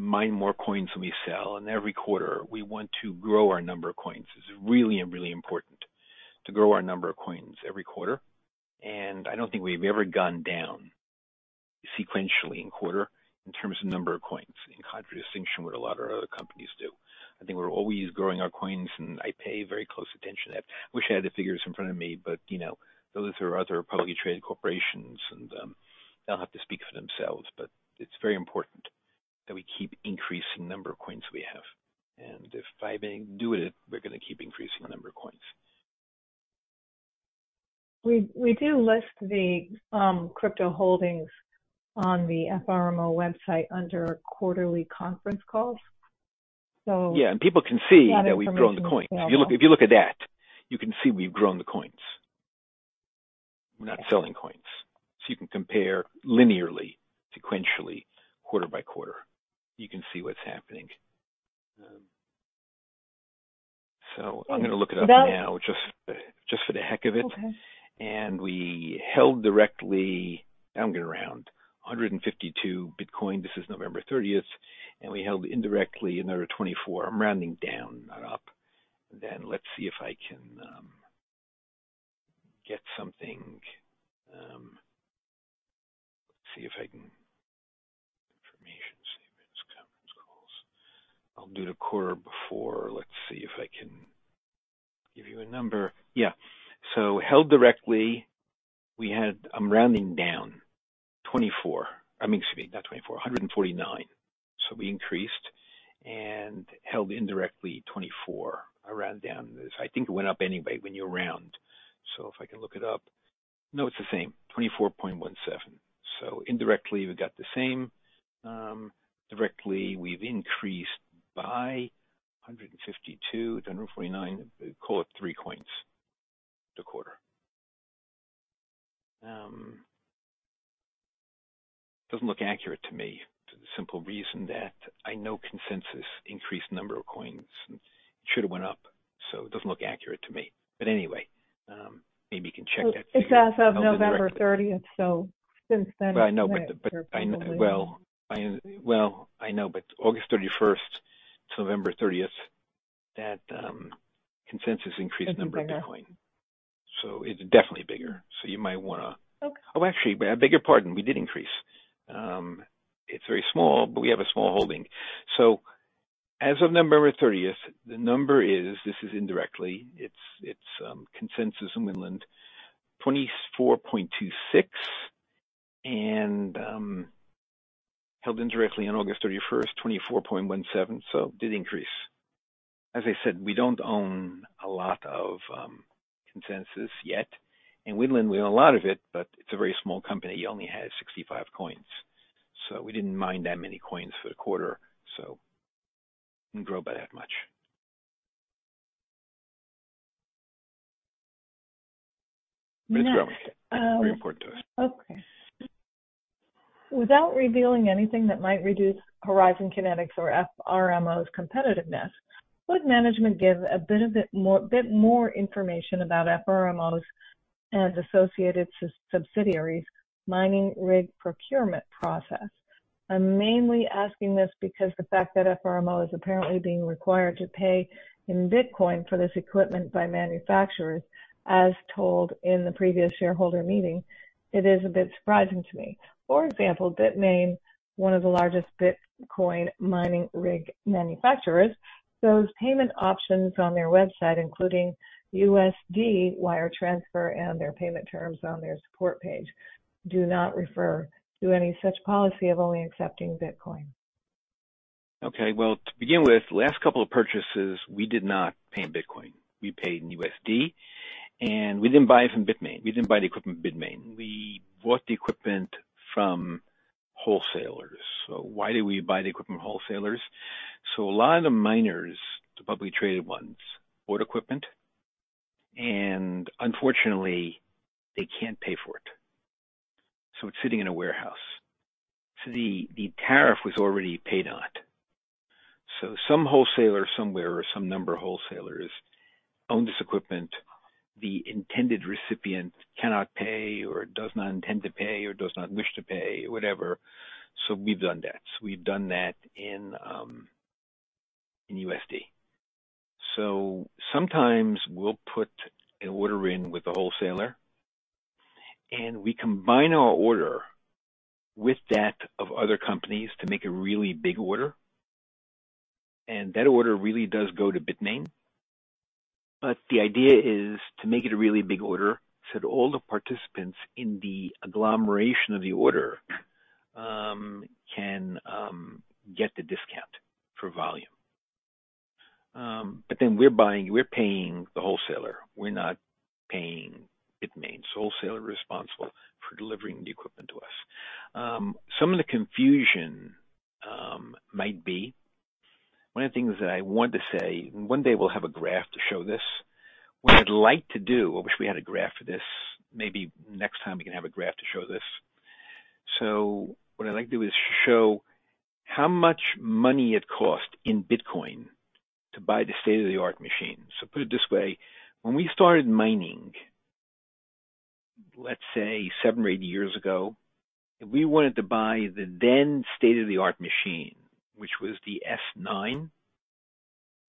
mine more coins than we sell, and every quarter, we want to grow our number of coins. It's really, really important to grow our number of coins every quarter, and I don't think we've ever gone down sequentially in quarter in terms of number of coins, in contradistinction what a lot of our other companies do. I think we're always growing our coins, and I pay very close attention to that. I wish I had the figures in front of me, but, you know, those are other publicly traded corporations, and they'll have to speak for themselves. But it's very important that we keep increasing the number of coins we have, and if I may do it, we're going to keep increasing the number of coins. We do list the crypto holdings on the FRMO website under quarterly conference calls, so that information [CROSSTALK] Yeah, and people can see that we've grown the coins. If you look at that, you can see we've grown the coins. We're not selling coins. So you can compare linearly, sequentially, quarter by quarter, you can see what's happening. So I'm going to look it up now, just for the heck of it. We held directly, I'm gonna round, 152 BTC. This is November 30th, and we held indirectly another 24. I'm rounding down, not up. I'll do the quarter before. Let's see if I can give you a number. Yeah. So held directly, we had. I'm rounding down, 24. I mean, excuse me, not 24, 149. So we increased and held indirectly 24. I ran down this. I think it went up anyway when you round. So if I can look it up. No, it's the same, 24.17. So indirectly, we've got the same. Directly, we've increased by 152, 149. Call it 3 coins the quarter. Doesn't look accurate to me, for the simple reason that I know Consensus increased the number of coins, and it should have went up, so it doesn't look accurate to me. But anyway, maybe you can check that figure [CROSSTALK] It's as of November 30th, so since then [CROSSTALK] Well, I know, but August 31st to November 30th, that Consensus increased the number of Bitcoin. It's bigger. It's definitely bigger. You might wanna— Oh, actually, I beg your pardon, we did increase. It's very small, but we have a small holding. So as of November 30th, the number is, this is indirectly, it's Consensus and Winland, 24.26, and held indirectly on August 31st, 24.17, so it did increase. As I said, we don't own a lot of Consensus yet, and we own a lot of it, but it's a very small company. It only has 65 coins, so we didn't mine that many coins for the quarter, so didn't grow by that much. But it's very, very important to us. Okay. Without revealing anything that might reduce Horizon Kinetics or FRMO's competitiveness, would management give a bit more information about FRMO's and associated subsidiaries mining rig procurement process? I'm mainly asking this because the fact that FRMO is apparently being required to pay in Bitcoin for this equipment by manufacturers, as told in the previous shareholder meeting, it is a bit surprising to me. For example, Bitmain, one of the largest Bitcoin mining rig manufacturers, shows payment options on their website, including USD, wire transfer, and their payment terms on their support page do not refer to any such policy of only accepting Bitcoin. Okay, well, to begin with, last couple of purchases, we did not pay in Bitcoin. We paid in USD, and we didn't buy it from Bitmain. We didn't buy the equipment from Bitmain. We bought the equipment from wholesalers. So why did we buy the equipment from wholesalers? So a lot of the miners, the publicly traded ones, bought equipment, and unfortunately, they can't pay for it, so it's sitting in a warehouse. So the tariff was already paid on it. So some wholesaler somewhere or some number of wholesalers own this equipment. The intended recipient cannot pay or does not intend to pay or does not wish to pay, whatever. So we've done that. So we've done that in, in USD. So sometimes we'll put an order in with the wholesaler, and we combine our order with that of other companies to make a really big order, and that order really does go to Bitmain. But the idea is to make it a really big order, so that all the participants in the agglomeration of the order can get the discount for volume. But then we're buying, we're paying the wholesaler. We're not paying Bitmain. So wholesaler responsible for delivering the equipment to us. Some of the confusion might be... One of the things that I want to say, one day we'll have a graph to show this. What I'd like to do, I wish we had a graph for this. Maybe next time we can have a graph to show this. So what I'd like to do is show how much money it cost in Bitcoin to buy the state-of-the-art machine. So put it this way, when we started mining, let's say 7 or 8 years ago, if we wanted to buy the then state-of-the-art machine, which was the S9,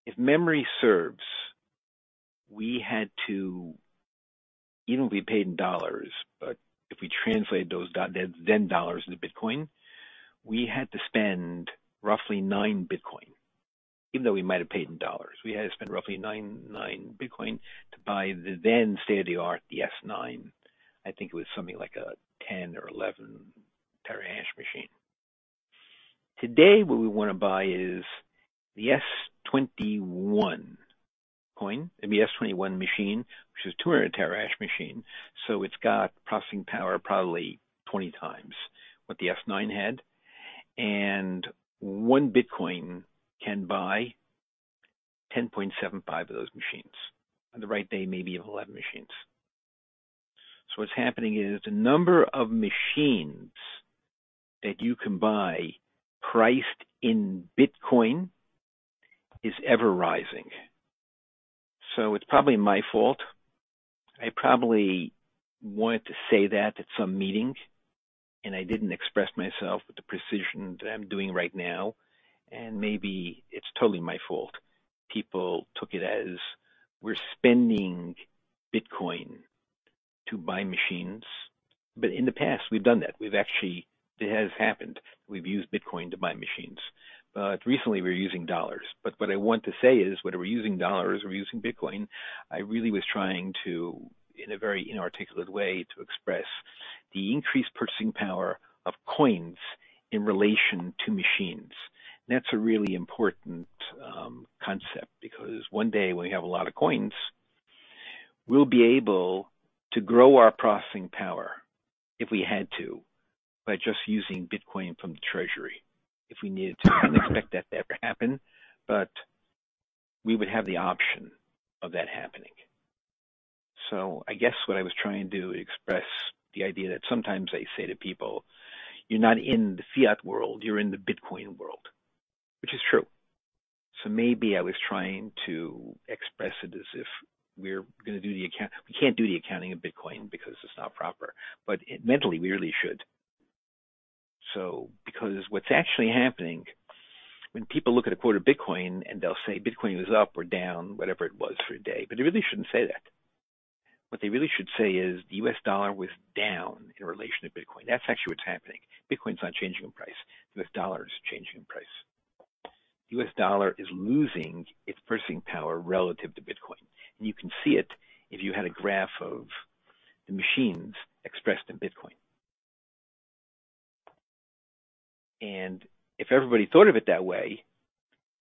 if memory serves, we had to, even if we paid in dollars, but if we translate those then dollars into Bitcoin, we had to spend roughly 9 Bitcoin. Even though we might have paid in dollars, we had to spend roughly nine, 9 Bitcoin to buy the then state-of-the-art, the S9. I think it was something like a 10 or 11 terahash machine. Today, what we want to buy is the S21 coin, the S21 machine, which is a 200 terahash machine, so it's got processing power, probably 20 times what the S9 had. One Bitcoin can buy 10.75 of those machines. On the right day, maybe 11 machines. So what's happening is the number of machines that you can buy, priced in Bitcoin, is ever rising. So it's probably my fault. I probably wanted to say that at some meeting, and I didn't express myself with the precision that I'm doing right now, and maybe it's totally my fault. People took it as we're spending Bitcoin to buy machines, but in the past, we've done that. We've actually. It has happened. We've used Bitcoin to buy machines, but recently we're using dollars. But what I want to say is, whether we're using dollars or we're using Bitcoin, I really was trying to, in a very inarticulate way, to express the increased purchasing power of coins in relation to machines. That's a really important concept because one day, when we have a lot of coins, we'll be able to grow our processing power, if we had to, by just using Bitcoin from the treasury, if we needed to. I don't expect that to ever happen, but we would have the option of that happening. So I guess what I was trying to do is express the idea that sometimes I say to people, "You're not in the fiat world, you're in the Bitcoin world," which is true. So maybe I was trying to express it as if we're gonna do the account... We can't do the accounting of Bitcoin because it's not proper, but mentally, we really should. So, because what's actually happening when people look at a quote of Bitcoin and they'll say, "Bitcoin is up or down," whatever it was, for a day, but they really shouldn't say that. What they really should say is: "The US dollar was down in relation to Bitcoin." That's actually what's happening. Bitcoin's not changing in price. The US dollar is changing in price. US dollar is losing its purchasing power relative to Bitcoin. And you can see it if you had a graph of the machines expressed in Bitcoin. And if everybody thought of it that way,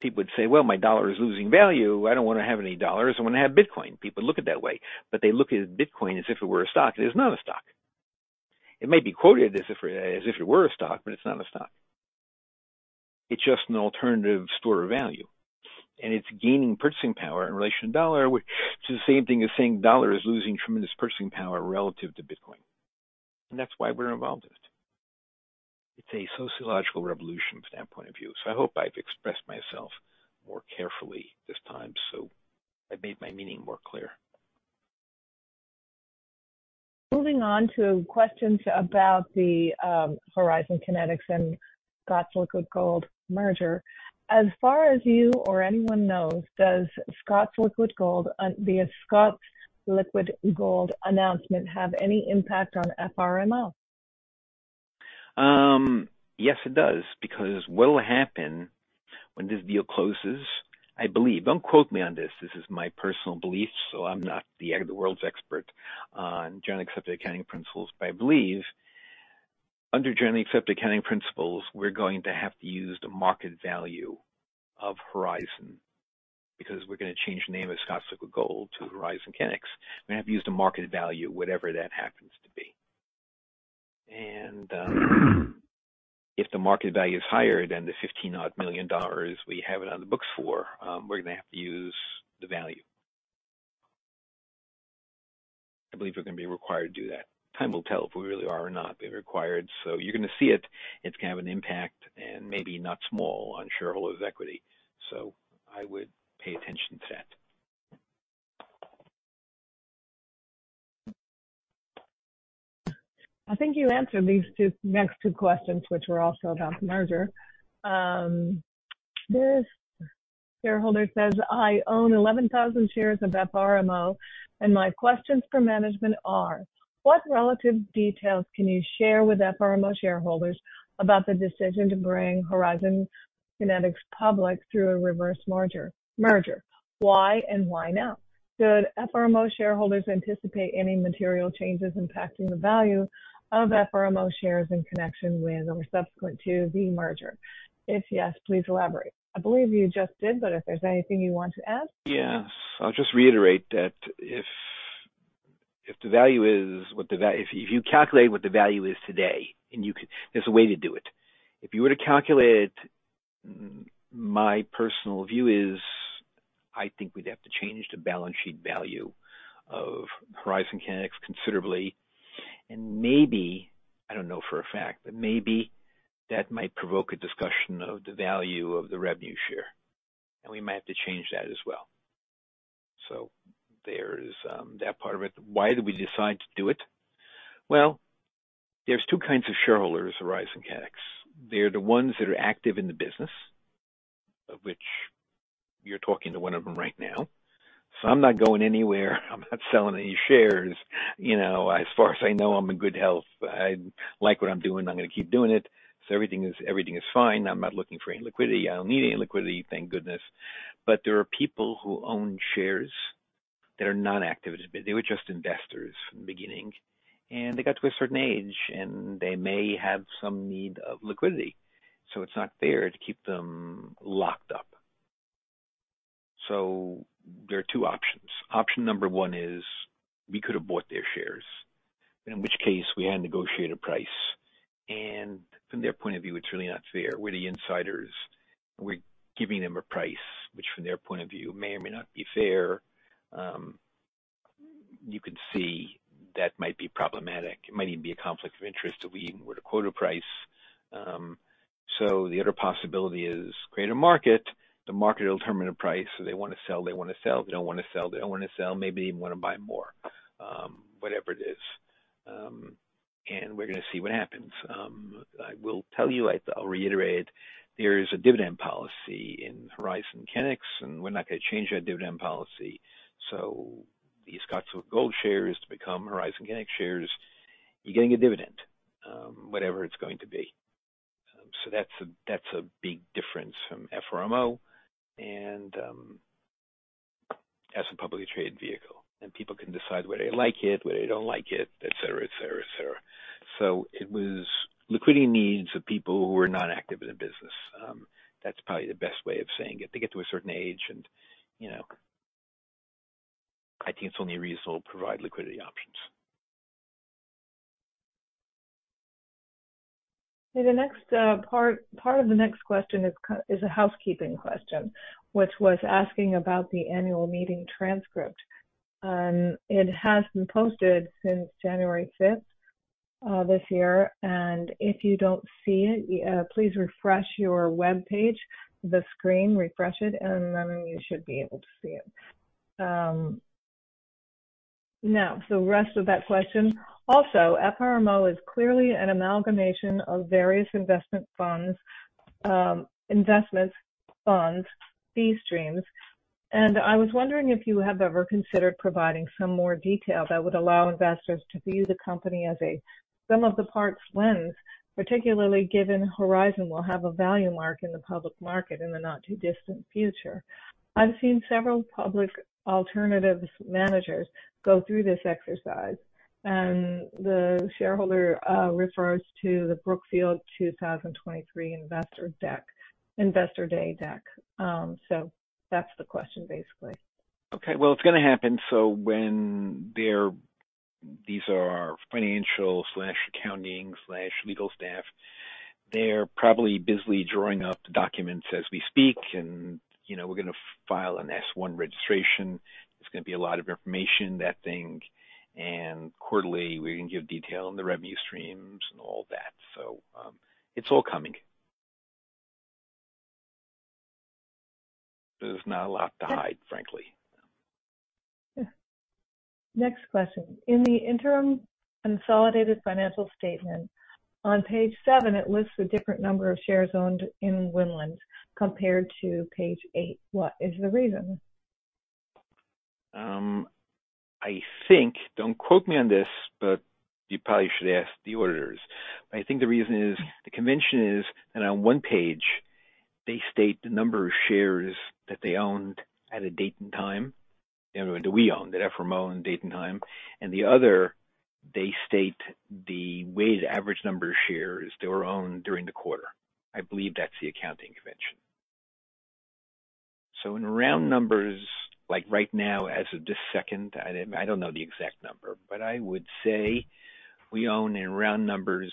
people would say, "Well, my dollar is losing value. I don't want to have any dollars. I want to have Bitcoin." People look at it that way, but they look at Bitcoin as if it were a stock. It is not a stock. It may be quoted as if, as if it were a stock, but it's not a stock. It's just an alternative store of value, and it's gaining purchasing power in relation to dollar, which is the same thing as saying dollar is losing tremendous purchasing power relative to Bitcoin. And that's why we're involved with it. It's a sociological revolution standpoint of view. So I hope I've expressed myself more carefully this time, so I've made my meaning more clear. Moving on to questions about the Horizon Kinetics and Scott's Liquid Gold merger. As far as you or anyone knows, does Scott's Liquid Gold via Scott's Liquid Gold announcement have any impact on FRMO? Yes, it does, because what will happen when this deal closes, I believe, don't quote me on this, this is my personal belief, so I'm not the world's expert on generally accepted accounting principles. But I believe under generally accepted accounting principles, we're going to have to use the market value of Horizon because we're going to change the name of Scott's Liquid Gold to Horizon Kinetics. We're going to have to use the market value, whatever that happens to be. And, if the market value is higher than the $15-odd million we have it on the books for, we're going to have to use the value. I believe we're going to be required to do that. Time will tell if we really are or not be required. So you're going to see it. It's going to have an impact and maybe not small on shareholders' equity. I would pay attention to that. I think you answered these two, next two questions, which were also about the merger. This shareholder says, "I own 11,000 shares of FRMO, and my questions for management are: What relative details can you share with FRMO shareholders about the decision to bring Horizon Kinetics public through a reverse merger, merger? Why and why now? Should FRMO shareholders anticipate any material changes impacting the value of FRMO shares in connection with or subsequent to the merger? If yes, please elaborate." I believe you just did, but if there's anything you want to add. Yes, I'll just reiterate that if you calculate what the value is today, and you can, there's a way to do it. If you were to calculate it, my personal view is, I think we'd have to change the balance sheet value of Horizon Kinetics considerably, and maybe, I don't know for a fact, but maybe that might provoke a discussion of the value of the revenue share, and we might have to change that as well. So there's that part of it. Why did we decide to do it? Well, there's two kinds of shareholders at Horizon Kinetics. They're the ones that are active in the business, of which you're talking to one of them right now. So I'm not going anywhere. I'm not selling any shares. You know, as far as I know, I'm in good health. I like what I'm doing. I'm going to keep doing it. So everything is, everything is fine. I'm not looking for any liquidity. I don't need any liquidity, thank goodness. But there are people who own shares that are not active. They were just investors from the beginning, and they got to a certain age, and they may have some need of liquidity, so it's not fair to keep them locked up. So there are two options. Option number one is we could have bought their shares, in which case we had to negotiate a price. And from their point of view, it's really not fair. We're the insiders. We're giving them a price, which from their point of view, may or may not be fair. You could see that might be problematic. It might even be a conflict of interest if we even were to quote a price. So the other possibility is create a market. The market will determine a price. So if they want to sell, they want to sell. If they don't want to sell, they don't want to sell. Maybe they even want to buy more, whatever it is. And we're going to see what happens. I will tell you, I'll reiterate, there is a dividend policy in Horizon Kinetics, and we're not going to change that dividend policy. So the Scott's Liquid Gold shares to become Horizon Kinetics shares, you're getting a dividend, whatever it's going to be. So that's a, that's a big difference from FRMO and, as a publicly traded vehicle, and people can decide whether they like it, whether they don't like it, et cetera, et cetera, et cetera. So it was liquidity needs of people who are not active in the business. That's probably the best way of saying it. They get to a certain age and, you know, I think it's only reasonable to provide liquidity options. The next part of the next question is a housekeeping question, which was asking about the annual meeting transcript. It has been posted since January 5th this year, and if you don't see it, please refresh your webpage, the screen, refresh it, and then you should be able to see it. Now, so the rest of that question: Also, FRMO is clearly an amalgamation of various investment funds, investments, funds, fee streams. And I was wondering if you have ever considered providing some more detail that would allow investors to view the company as a sum of the parts lens, particularly given Horizon will have a value mark in the public market in the not-too-distant future. I've seen several public alternatives managers go through this exercise, and the shareholder refers to the Brookfield 2023 investor deck, investor day deck. That's the question, basically. Okay, well, it's gonna happen. So when these are our financial slash accounting slash legal staff, they're probably busily drawing up the documents as we speak, and, you know, we're gonna file an S-1 registration. There's gonna be a lot of information in that thing, and quarterly, we can give detail on the revenue streams and all that. So, it's all coming. There's not a lot to hide, frankly. Yeah. Next question: In the interim consolidated financial statement, on page 7, it lists a different number of shares owned in Winland compared to page 8. What is the reason? I think, don't quote me on this, but you probably should ask the auditors. I think the reason is, the convention is that on one page, they state the number of shares that they owned at a date and time, that we own, that FRMO owned, date and time, and the other, they state the weighted average number of shares that were owned during the quarter. I believe that's the accounting convention. So in round numbers, like right now, as of this second, I don't know the exact number, but I would say we own, in round numbers,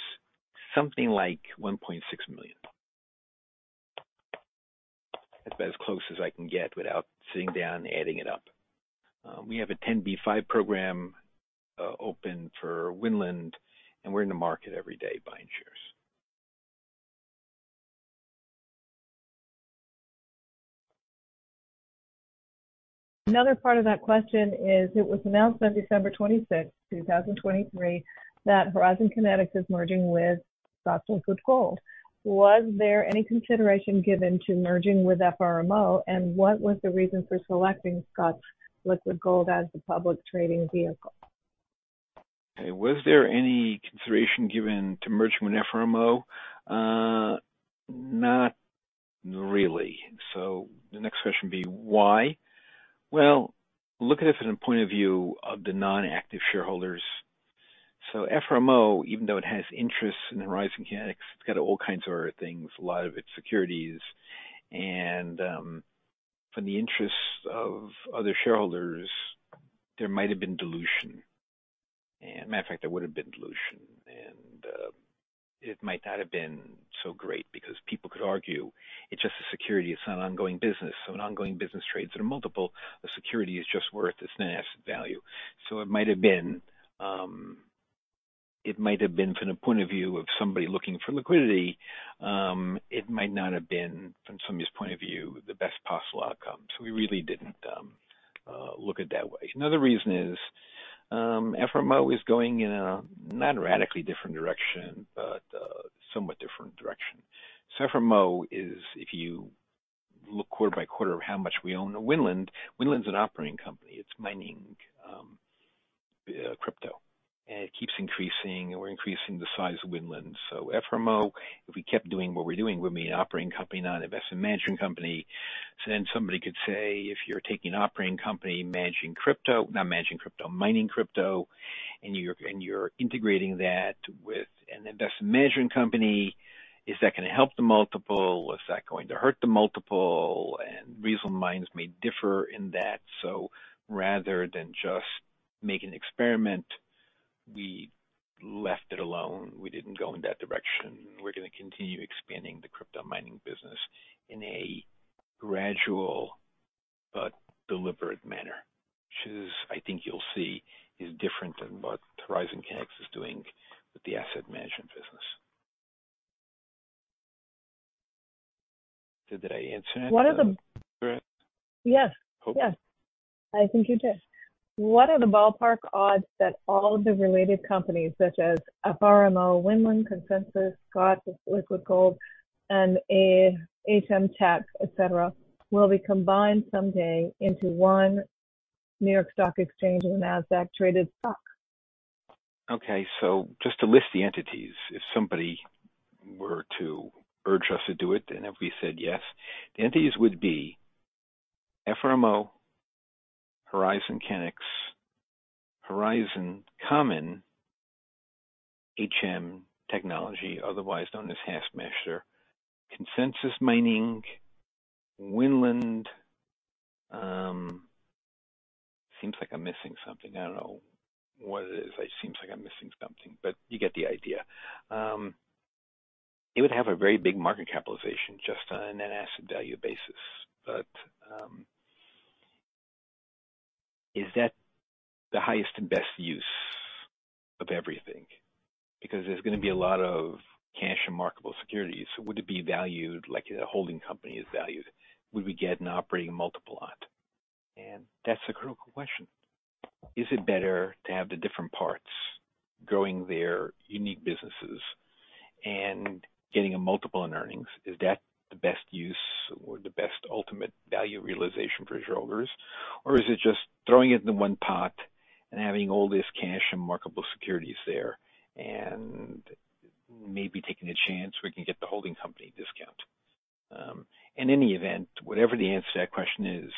something like 1.6 million. That's about as close as I can get without sitting down and adding it up. We have a 10b5-1 program open for Winland, and we're in the market every day buying shares. Another part of that question is: It was announced on December 26th, 2023, that Horizon Kinetics is merging with Scott's Liquid Gold. Was there any consideration given to merging with FRMO, and what was the reason for selecting Scott's Liquid Gold as the public trading vehicle? Okay. Was there any consideration given to merging with FRMO? Not really. So the next question would be why? Well, look at it from the point of view of the non-active shareholders. So FRMO, even though it has interests in Horizon Kinetics, it's got all kinds of other things, a lot of it securities, and, from the interests of other shareholders, there might have been dilution. As a matter of fact, there would have been dilution, and, it might not have been so great because people could argue it's just a security, it's not an ongoing business. So an ongoing business trades at a multiple. A security is just worth its net asset value. So it might have been, it might have been from the point of view of somebody looking for liquidity, it might not have been, from somebody's point of view, the best possible outcome. So we really didn't look at it that way. Another reason is, FRMO is going in a not radically different direction, but, somewhat different direction. So FRMO is if you look quarter by quarter of how much we own the Winland, Winland's an operating company. It's mining crypto, and it keeps increasing, and we're increasing the size of Winland. So FRMO, if we kept doing what we're doing, we'd be an operating company, not an investment management company. So then somebody could say, if you're taking an operating company, managing crypto, not managing crypto, mining crypto, and you're, and you're integrating that with an investment management company, is that gonna help the multiple? Is that going to hurt the multiple? And reasonable minds may differ in that. So rather than just make an experiment, we left it alone. We didn't go in that direction. We're gonna continue expanding the crypto mining business in a gradual but deliberate manner, which is, I think you'll see, is different than what Horizon Kinetics is doing with the asset management business. Did I answer it? Yes. Yes, I think you did. What are the ballpark odds that all the related companies, such as FRMO, Winland, Consensus, Scott's Liquid Gold, and HM Tech, et cetera, will be combined someday into one New York Stock Exchange or Nasdaq-traded stock? Okay, so just to list the entities, if somebody were to urge us to do it, and if we said yes, the entities would be FRMO, Horizon Kinetics, Horizon Common, HM Tech, otherwise known as HashMaster, Consensus Mining, Winland. Seems like I'm missing something. I don't know what it is. It seems like I'm missing something, but you get the idea. It would have a very big market capitalization just on an asset value basis. But, is that the highest and best use of everything? Because there's gonna be a lot of cash and marketable securities, would it be valued like a holding company is valued? Would we get an operating multiple on it? And that's the critical question. Is it better to have the different parts growing their unique businesses and getting a multiple in earnings? Is that the best use or the best ultimate value realization for shareholders? Or is it just throwing it in the one pot and having all this cash and marketable securities there and maybe taking a chance we can get the holding company discount? In any event, whatever the answer to that question is,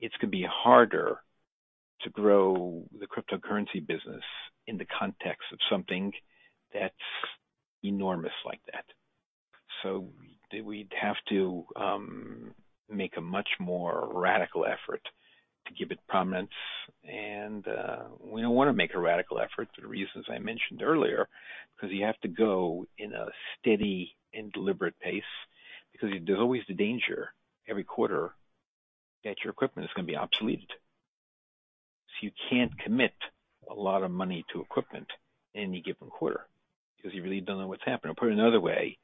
it's gonna be harder to grow the cryptocurrency business in the context of something that's enormous like that. So we'd have to make a much more radical effort to give it prominence. And, we don't want to make a radical effort for the reasons I mentioned earlier, because you have to go in a steady and deliberate pace, because there's always the danger every quarter that your equipment is going to be obsoleted. So you can't commit a lot of money to equipment in any given quarter because you really don't know what's happening. I'll put it another way.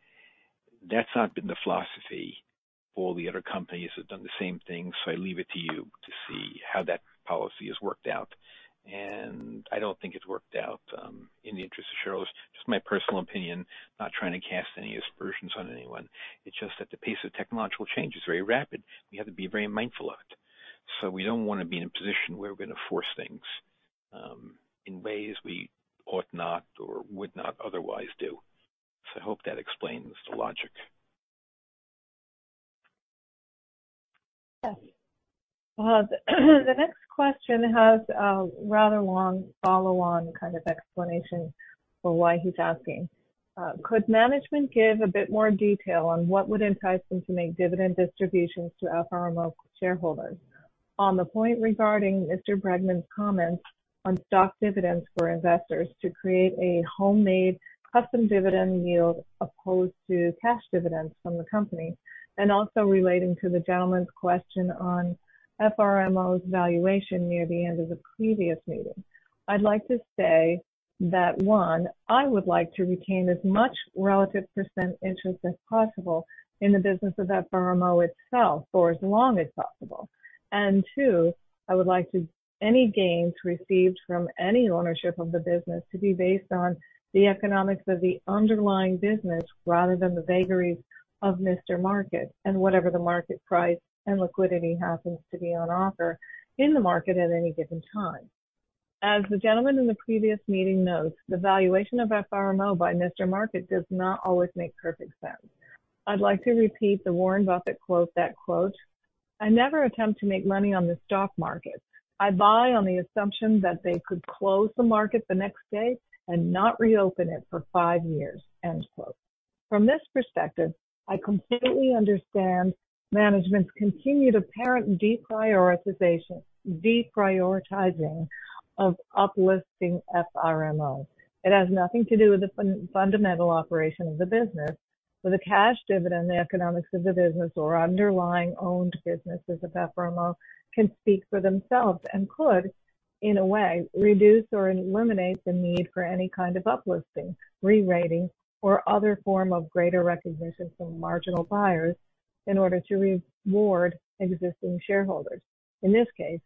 That's not been the philosophy for all the other companies that have done the same thing. So I leave it to you to see how that policy has worked out, and I don't think it's worked out in the interest of shareholders. Just my personal opinion. Not trying to cast any aspersions on anyone. It's just that the pace of technological change is very rapid. We have to be very mindful of it. So we don't want to be in a position where we're going to force things in ways we ought not or would not otherwise do. So I hope that explains the logic. Yes. Well, the next question has a rather long follow-on kind of explanation for why he's asking. Could management give a bit more detail on what would entice them to make dividend distributions to FRMO shareholders? On the point regarding Mr. Bregman's comments on stock dividends for investors to create a homemade custom dividend yield as opposed to cash dividends from the company, and also relating to the gentleman's question on FRMO's valuation near the end of the previous meeting. I'd like to say that, one, I would like to retain as much relative percent interest as possible in the business of FRMO itself for as long as possible, and two, I would like to any gains received from any ownership of the business to be based on the economics of the underlying business, rather than the vagaries of Mr. Market and whatever the market price and liquidity happens to be on offer in the market at any given time. As the gentleman in the previous meeting notes, the valuation of FRMO by Mr. Market does not always make perfect sense. I'd like to repeat the Warren Buffett quote that, quote, "I never attempt to make money on the stock market. I buy on the assumption that they could close the market the next day and not reopen it for five years." End quote. From this perspective, I completely understand management's continued apparent deprioritization, deprioritizing of uplisting FRMO. It has nothing to do with the fundamental operation of the business, with the cash dividend, the economics of the business, or underlying owned businesses of FRMO, can speak for themselves and could, in a way, reduce or eliminate the need for any kind of uplisting, rerating, or other form of greater recognition from marginal buyers in order to reward existing shareholders. In this case,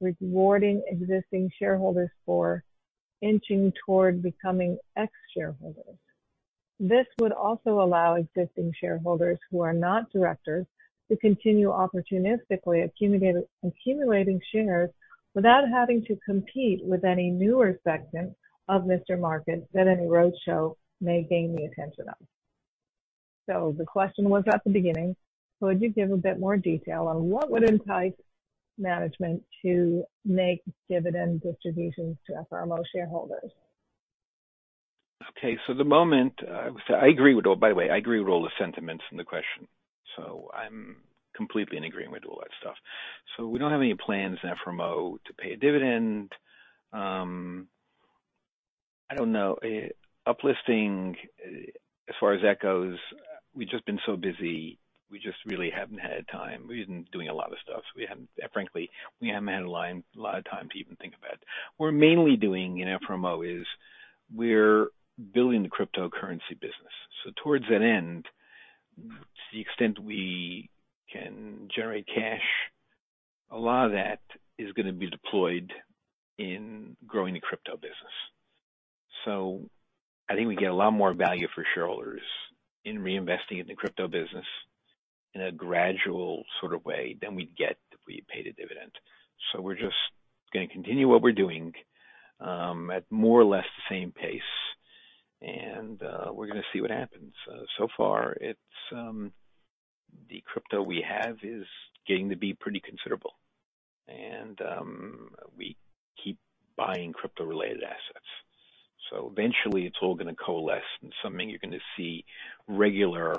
rewarding existing shareholders for inching toward becoming ex-shareholders. This would also allow existing shareholders who are not directors to continue opportunistically accumulating shares without having to compete with any newer segment of Mr. Market that any roadshow may gain the attention of. So the question was at the beginning. Could you give a bit more detail on what would entice management to make dividend distributions to FRMO shareholders? Okay. So at the moment, I agree with... By the way, I agree with all the sentiments in the question, so I'm completely in agreement with all that stuff. So we don't have any plans at FRMO to pay a dividend. I don't know. Uplisting, as far as that goes, we've just been so busy. We just really haven't had time. We've been doing a lot of stuff, so we haven't... Frankly, we haven't had a lot of time to even think about it. We're mainly doing in FRMO is we're building the cryptocurrency business. So towards that end, to the extent we can generate cash, a lot of that is going to be deployed in growing the crypto business. So I think we get a lot more value for shareholders in reinvesting in the crypto business in a gradual sort of way than we'd get if we paid a dividend. So we're just going to continue what we're doing at more or less the same pace, and we're gonna see what happens. So far it's the crypto we have is getting to be pretty considerable, and we keep buying crypto-related assets, so eventually it's all going to coalesce into something you're going to see regular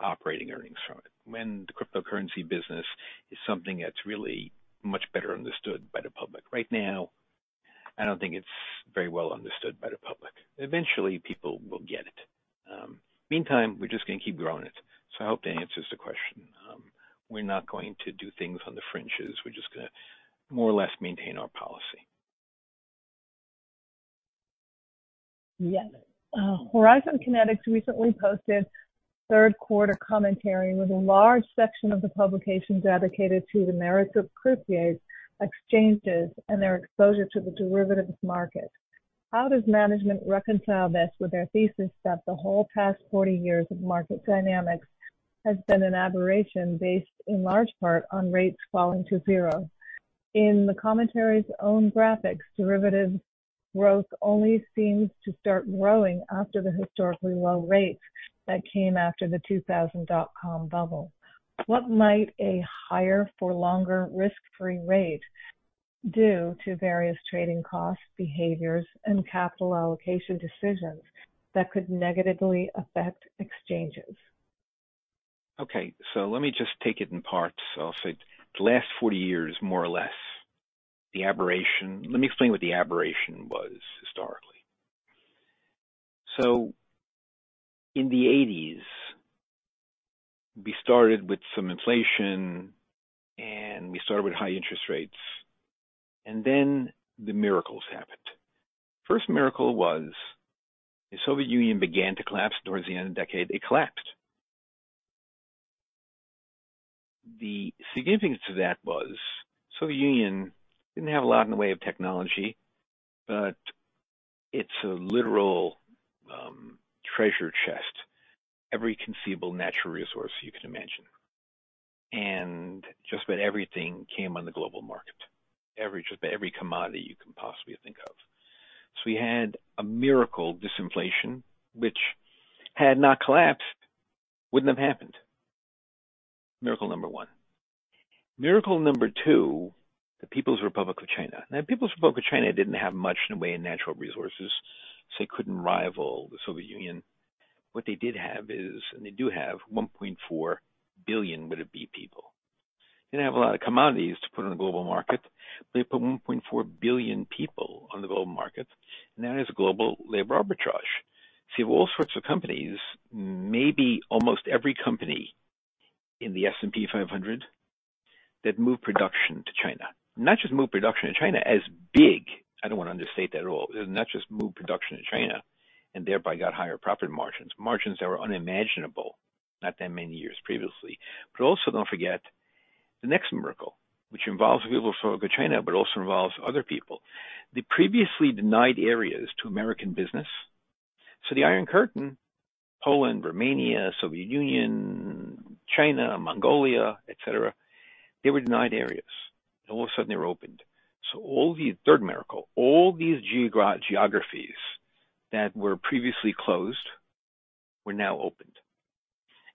operating earnings from it when the cryptocurrency business is something that's really much better understood by the public. Right now, I don't think it's very well understood by the public. Eventually, people will get it. Meantime, we're just going to keep growing it. So I hope that answers the question. We're not going to do things on the fringes. We're just gonna more or less maintain our policy. Yes. Horizon Kinetics recently posted third quarter commentary, with a large section of the publication dedicated to the merits of croupiers, exchanges, and their exposure to the derivatives market. How does management reconcile this with their thesis that the whole past 40 years of market dynamics has been an aberration, based in large part on rates falling to zero? In the commentary's own graphics, derivative growth only seems to start growing after the historically low rates that came after the 2000 dot-com bubble. What might a higher for longer risk-free rate do to various trading costs, behaviors, and capital allocation decisions that could negatively affect exchanges? Okay, so let me just take it in parts. I'll say the last 40 years, more or less, the aberration. Let me explain what the aberration was historically. So in the 1980s, we started with some inflation, and we started with high interest rates, and then the miracles happened. First miracle was, the Soviet Union began to collapse towards the end of the decade. It collapsed. The significance of that was, Soviet Union didn't have a lot in the way of technology, but it's a literal treasure chest. Every conceivable natural resource you can imagine. And just about everything came on the global market. Every, just every commodity you can possibly think of. So we had a miracle disinflation, which had it not collapsed, wouldn't have happened. Miracle number one. Miracle number two, the People's Republic of China. Now, the People's Republic of China didn't have much in the way of natural resources, so they couldn't rival the Soviet Union. What they did have is, and they do have, 1.4 billion would-be people. They didn't have a lot of commodities to put on the global market, but they put 1.4 billion people on the global market, and that is global labor arbitrage. So you have all sorts of companies, maybe almost every company in the S&P 500, that moved production to China. Not just moved production to China as big, I don't want to understate that at all. Not just moved production to China and thereby got higher profit margins, margins that were unimaginable not that many years previously. But also don't forget the next miracle, which involves the People's Republic of China, but also involves other people. They previously denied areas to American business. So the Iron Curtain, Poland, Romania, Soviet Union, China, Mongolia, et cetera, they were denied areas, and all of a sudden they were opened. So all these third miracle, all these geographies that were previously closed were now opened.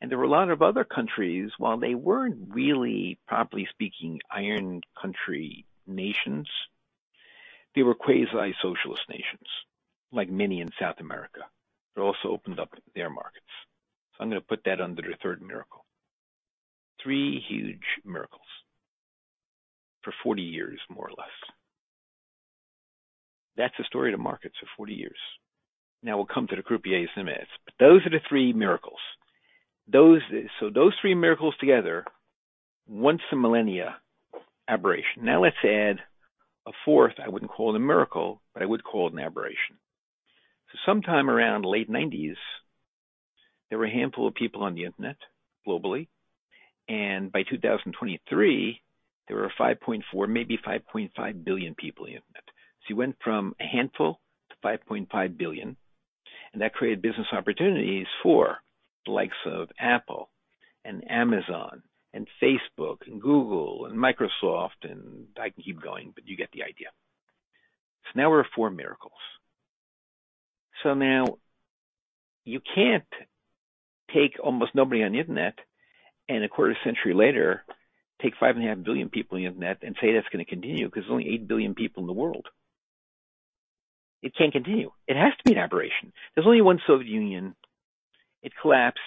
And there were a lot of other countries, while they weren't really, properly speaking, Iron Curtain nations, they were quasi-socialist nations, like many in South America. They also opened up their markets. So I'm going to put that under the third miracle. Three huge miracles for 40 years, more or less. That's the story of the markets for 40 years. Now we'll come to the croupiers in a minute, but those are the three miracles. Those three miracles together, a once-in-a-millennia aberration. Now let's add a fourth. I wouldn't call it a miracle, but I would call it an aberration. So sometime around the late 1990s, there were a handful of people on the internet, globally, and by 2023, there were 5.4, maybe 5.5 billion people on the internet. So you went from a handful to 5.5 billion, and that created business opportunities for the likes of Apple and Amazon and Facebook and Google and Microsoft, and I can keep going, but you get the idea. So now we're at four miracles. So now you can't take almost nobody on the internet, and a quarter century later, take 5.5 billion people on the internet and say that's going to continue, because there's only 8 billion people in the world. It can't continue. It has to be an aberration. There's only one Soviet Union. It collapsed,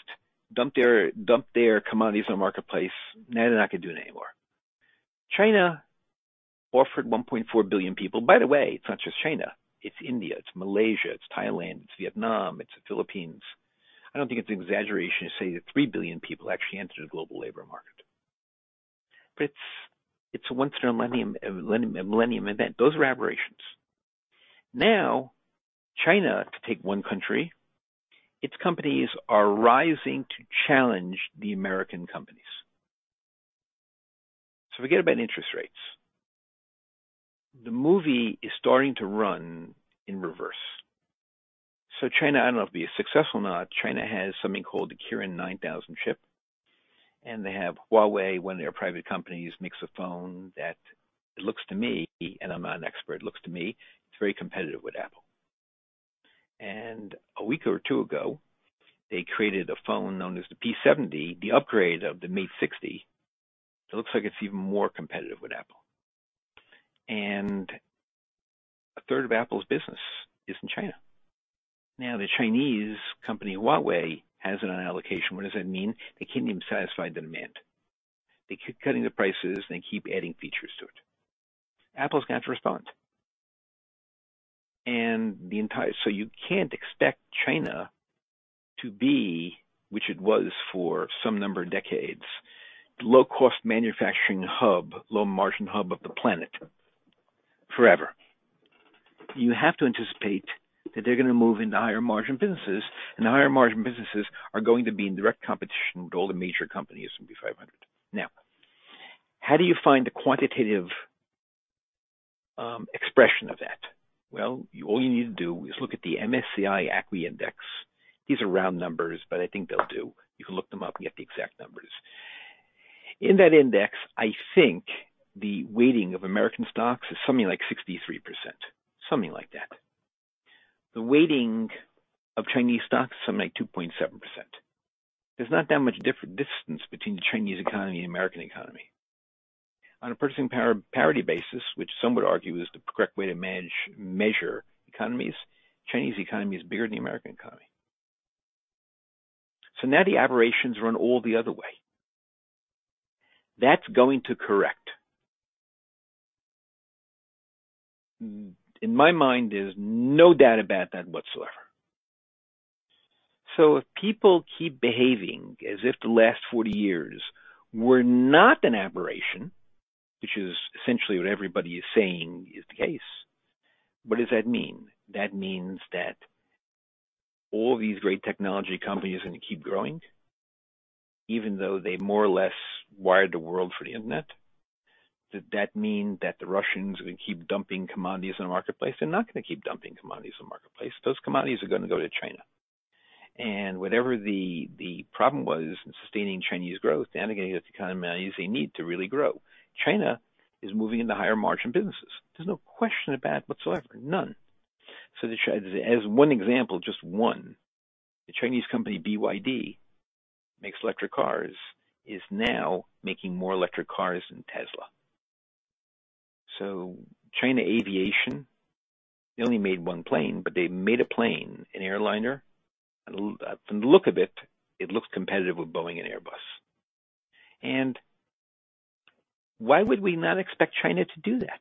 dumped their commodities on the marketplace. Now they're not going to do it anymore. China offered 1.4 billion people. By the way, it's not just China. It's India, it's Malaysia, it's Thailand, it's Vietnam, it's the Philippines. I don't think it's an exaggeration to say that 3 billion people actually entered the global labor market. But it's, it's a once in a millennium, a millennium event. Those are aberrations. Now, China, to take one country, its companies are rising to challenge the American companies. So forget about interest rates. The movie is starting to run in reverse. So China, I don't know if it'll be successful or not, China has something called the Kirin 9000 chip, and they have Huawei, one of their private companies, makes a phone that it looks to me, and I'm not an expert, it looks to me it's very competitive with Apple. A week or two ago, they created a phone known as the P70, the upgrade of the Mate 60. It looks like it's even more competitive with Apple. 1/3 of Apple's business is in China. Now, the Chinese company, Huawei, has an allocation. What does that mean? They can't even satisfy the demand. They keep cutting the prices, and they keep adding features to it. Apple's going to have to respond. So you can't expect China to be, which it was for some number of decades, the low-cost manufacturing hub, low-margin hub of the planet, forever. You have to anticipate that they're going to move into higher-margin businesses, and the higher-margin businesses are going to be in direct competition with all the major companies in the S&P 500. Now, how do you find a quantitative expression of that? Well, all you need to do is look at the MSCI ACWI Index. These are round numbers, but I think they'll do. You can look them up and get the exact numbers. In that index, I think the weighting of American stocks is something like 63%, something like that. The weighting of Chinese stocks is something like 2.7%. There's not that much different distance between the Chinese economy and the American economy. On a purchasing power parity basis, which some would argue is the correct way to measure economies, Chinese economy is bigger than the American economy. So now the aberrations run all the other way. That's going to correct. In my mind, there's no doubt about that whatsoever. So if people keep behaving as if the last 40 years were not an aberration, which is essentially what everybody is saying is the case, what does that mean? That means that all these great technology companies are going to keep growing, even though they more or less wired the world for the internet. Does that mean that the Russians are going to keep dumping commodities in the marketplace? They're not going to keep dumping commodities in the marketplace. Those commodities are going to go to China. And whatever the problem was in sustaining Chinese growth, they're going to get the kind of monies they need to really grow. China is moving into higher-margin businesses. There's no question about it whatsoever. None. So as one example, just one, the Chinese company, BYD, makes electric cars, is now making more electric cars than Tesla. So China Aviation, they only made one plane, but they made a plane, an airliner. And from the look of it, it looks competitive with Boeing and Airbus. And why would we not expect China to do that?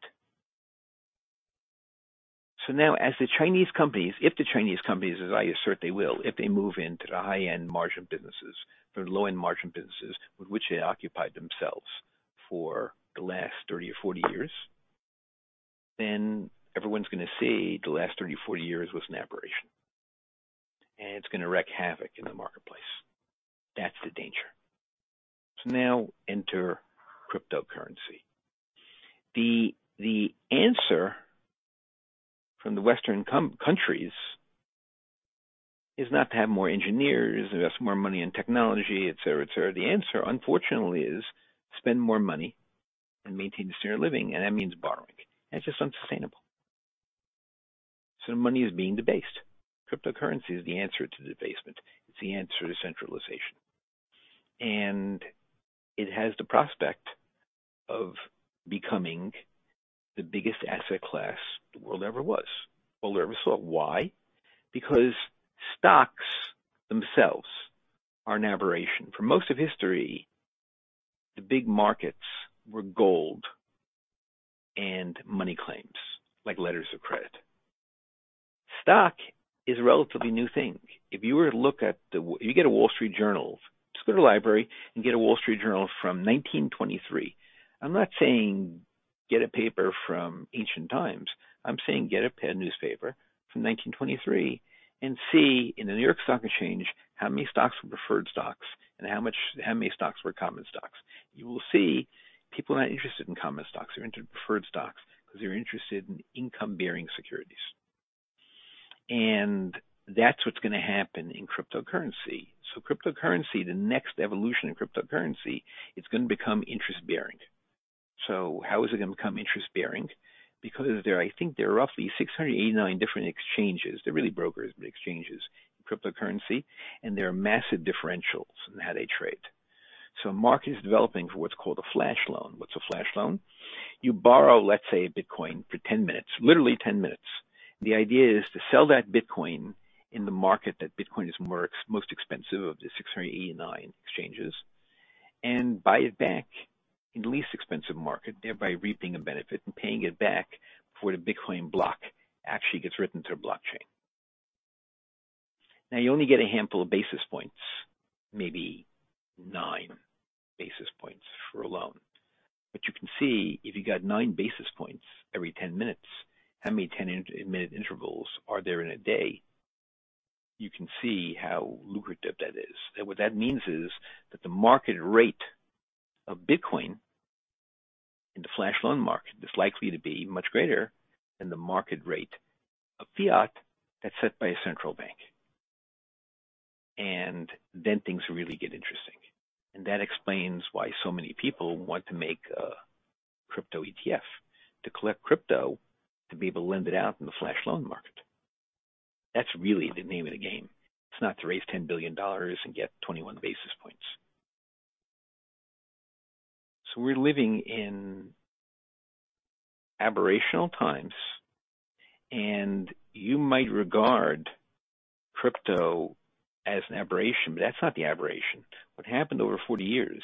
So now, as the Chinese companies, if the Chinese companies, as I assert they will, if they move into the high-end margin businesses, from low-end margin businesses, with which they occupied themselves for the last 30 or 40 years, then everyone's going to say the last 30 or 40 years was an aberration, and it's going to wreak havoc in the marketplace. That's the danger. So now enter cryptocurrency. The answer from the Western countries is not to have more engineers, invest more money in technology, et cetera, et cetera. The answer, unfortunately, is spend more money and maintain the standard of living, and that means borrowing. That's just unsustainable. So money is being debased. Cryptocurrency is the answer to debasement. It's the answer to centralization, and it has the prospect of becoming the biggest asset class the world ever was, world ever saw. Why? Because stocks themselves are an aberration. For most of history, the big markets were gold and money claims, like letters of credit. Stock is a relatively new thing. If you get a Wall Street Journal, just go to the library and get a Wall Street Journal from 1923. I'm not saying get a paper from ancient times. I'm saying get a newspaper from 1923 and see in the New York Stock Exchange, how many stocks were preferred stocks and how much, how many stocks were common stocks. You will see people are not interested in common stocks. They're into preferred stocks because they're interested in income-bearing securities. That's what's going to happen in cryptocurrency. Cryptocurrency, the next evolution in cryptocurrency, it's going to become interest-bearing. How is it going to become interest-bearing? Because there, I think there are roughly 689 different exchanges. They're really brokers, but exchanges, in cryptocurrency, and there are massive differentials in how they trade. So a market is developing for what's called a flash loan. What's a flash loan? You borrow, let's say, a Bitcoin for 10 minutes, literally 10 minutes. The idea is to sell that Bitcoin in the market that Bitcoin is most expensive of the 689 exchanges, and buy it back in the least expensive market, thereby reaping a benefit and paying it back before the Bitcoin block actually gets written to a blockchain. Now, you only get a handful of basis points, maybe nine basis points for a loan. You can see if you got nine basis points every 10 minutes, how many 10-minute intervals are there in a day? You can see how lucrative that is. What that means is, that the market rate of Bitcoin in the flash loan market is likely to be much greater than the market rate of fiat that's set by a central bank. Then things really get interesting, and that explains why so many people want to make a crypto ETF to collect crypto, to be able to lend it out in the flash loan market. That's really the name of the game. It's not to raise $10 billion and get 21 basis points. So we're living in aberrational times, and you might regard crypto as an aberration, but that's not the aberration. What happened over 40 years,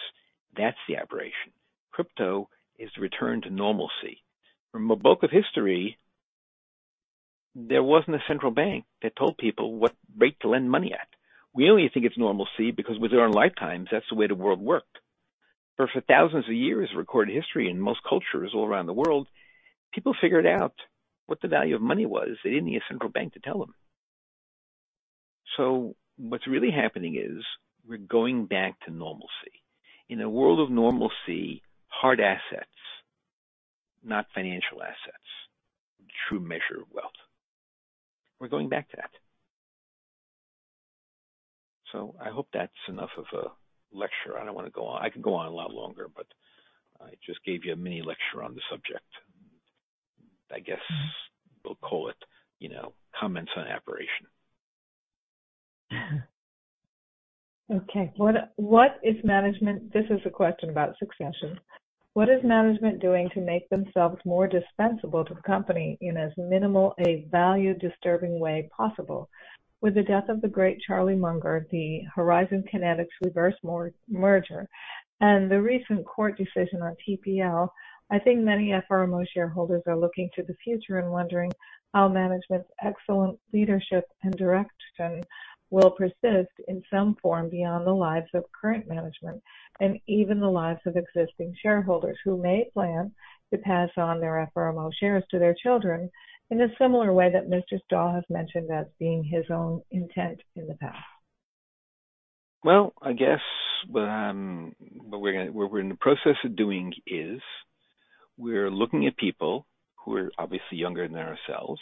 that's the aberration. Crypto is the return to normalcy. From the bulk of history, there wasn't a central bank that told people what rate to lend money at. We only think it's normalcy because within our lifetimes, that's the way the world worked. But for thousands of years of recorded history, in most cultures all around the world, people figured out what the value of money was. They didn't need a central bank to tell them. So what's really happening is we're going back to normalcy. In a world of normalcy, hard assets, not financial assets, true measure of wealth. We're going back to that. So I hope that's enough of a lecture. I don't want to go on. I could go on a lot longer, but I just gave you a mini lecture on the subject. I guess we'll call it, you know, comments on aberration. Okay. What, what is management- This is a question about succession. What is management doing to make themselves more dispensable to the company in as minimal a value-disturbing way possible? With the death of the great Charlie Munger, the Horizon Kinetics reverse merger, and the recent court decision on TPL, I think many FRMO shareholders are looking to the future and wondering how management's excellent leadership and direction will persist in some form beyond the lives of current management, and even the lives of existing shareholders, who may plan to pass on their FRMO shares to their children, in a similar way that Mr. Stahl has mentioned as being his own intent in the past. Well, I guess what we're in the process of doing is we're looking at people who are obviously younger than ourselves,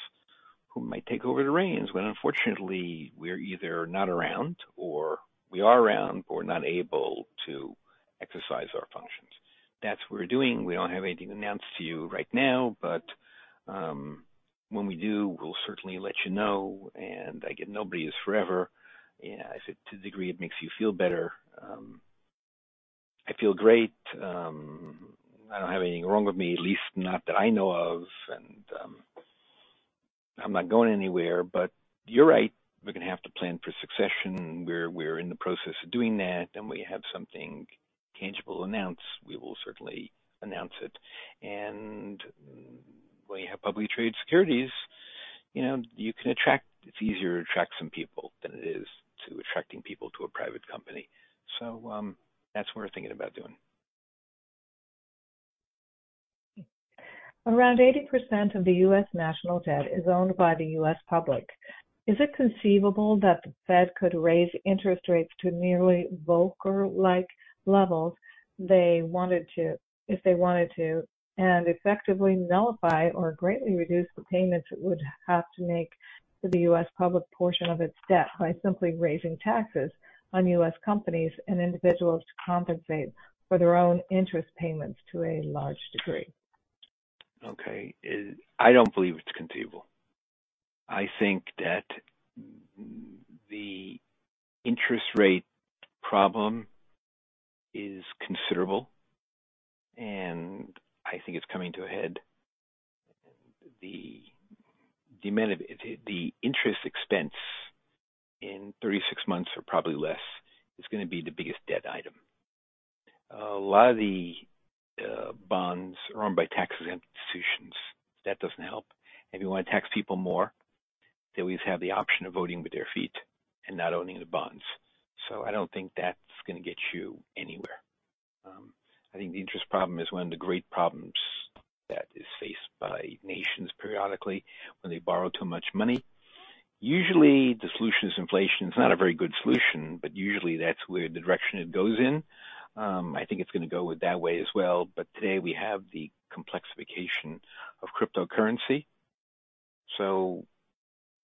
who might take over the reins when unfortunately we're either not around or we are around, but we're not able to exercise our functions. That's what we're doing. We don't have anything to announce to you right now, but when we do, we'll certainly let you know. I get nobody is forever, and if to the degree it makes you feel better, I feel great. I don't have anything wrong with me, at least not that I know of, and I'm not going anywhere. But you're right. We're gonna have to plan for succession. We're in the process of doing that, and when we have something tangible to announce, we will certainly announce it. When you have publicly traded securities, you know, you can attract... It's easier to attract some people than it is to attracting people to a private company. So, that's what we're thinking about doing. Around 80% of the U.S. national debt is owned by the U.S. public. Is it conceivable that the Fed could raise interest rates to nearly Volcker-like levels they wanted to-- if they wanted to, and effectively nullify or greatly reduce the payments it would have to make to the U.S. public portion of its debt by simply raising taxes on U.S. companies and individuals to compensate for their own interest payments to a large degree? Okay. I don't believe it's conceivable. I think that the interest rate problem is considerable, and I think it's coming to a head. The demand of the interest expense in 36 months or probably less, is going to be the biggest debt item. A lot of the bonds are owned by tax-exempt institutions. That doesn't help. If you want to tax people more, they always have the option of voting with their feet and not owning the bonds. So I don't think that's going to get you anywhere. I think the interest problem is one of the great problems that is faced by nations periodically when they borrow too much money. Usually, the solution is inflation. It's not a very good solution, but usually that's where the direction it goes in. I think it's going to go that way as well, but today we have the complexification of cryptocurrency. So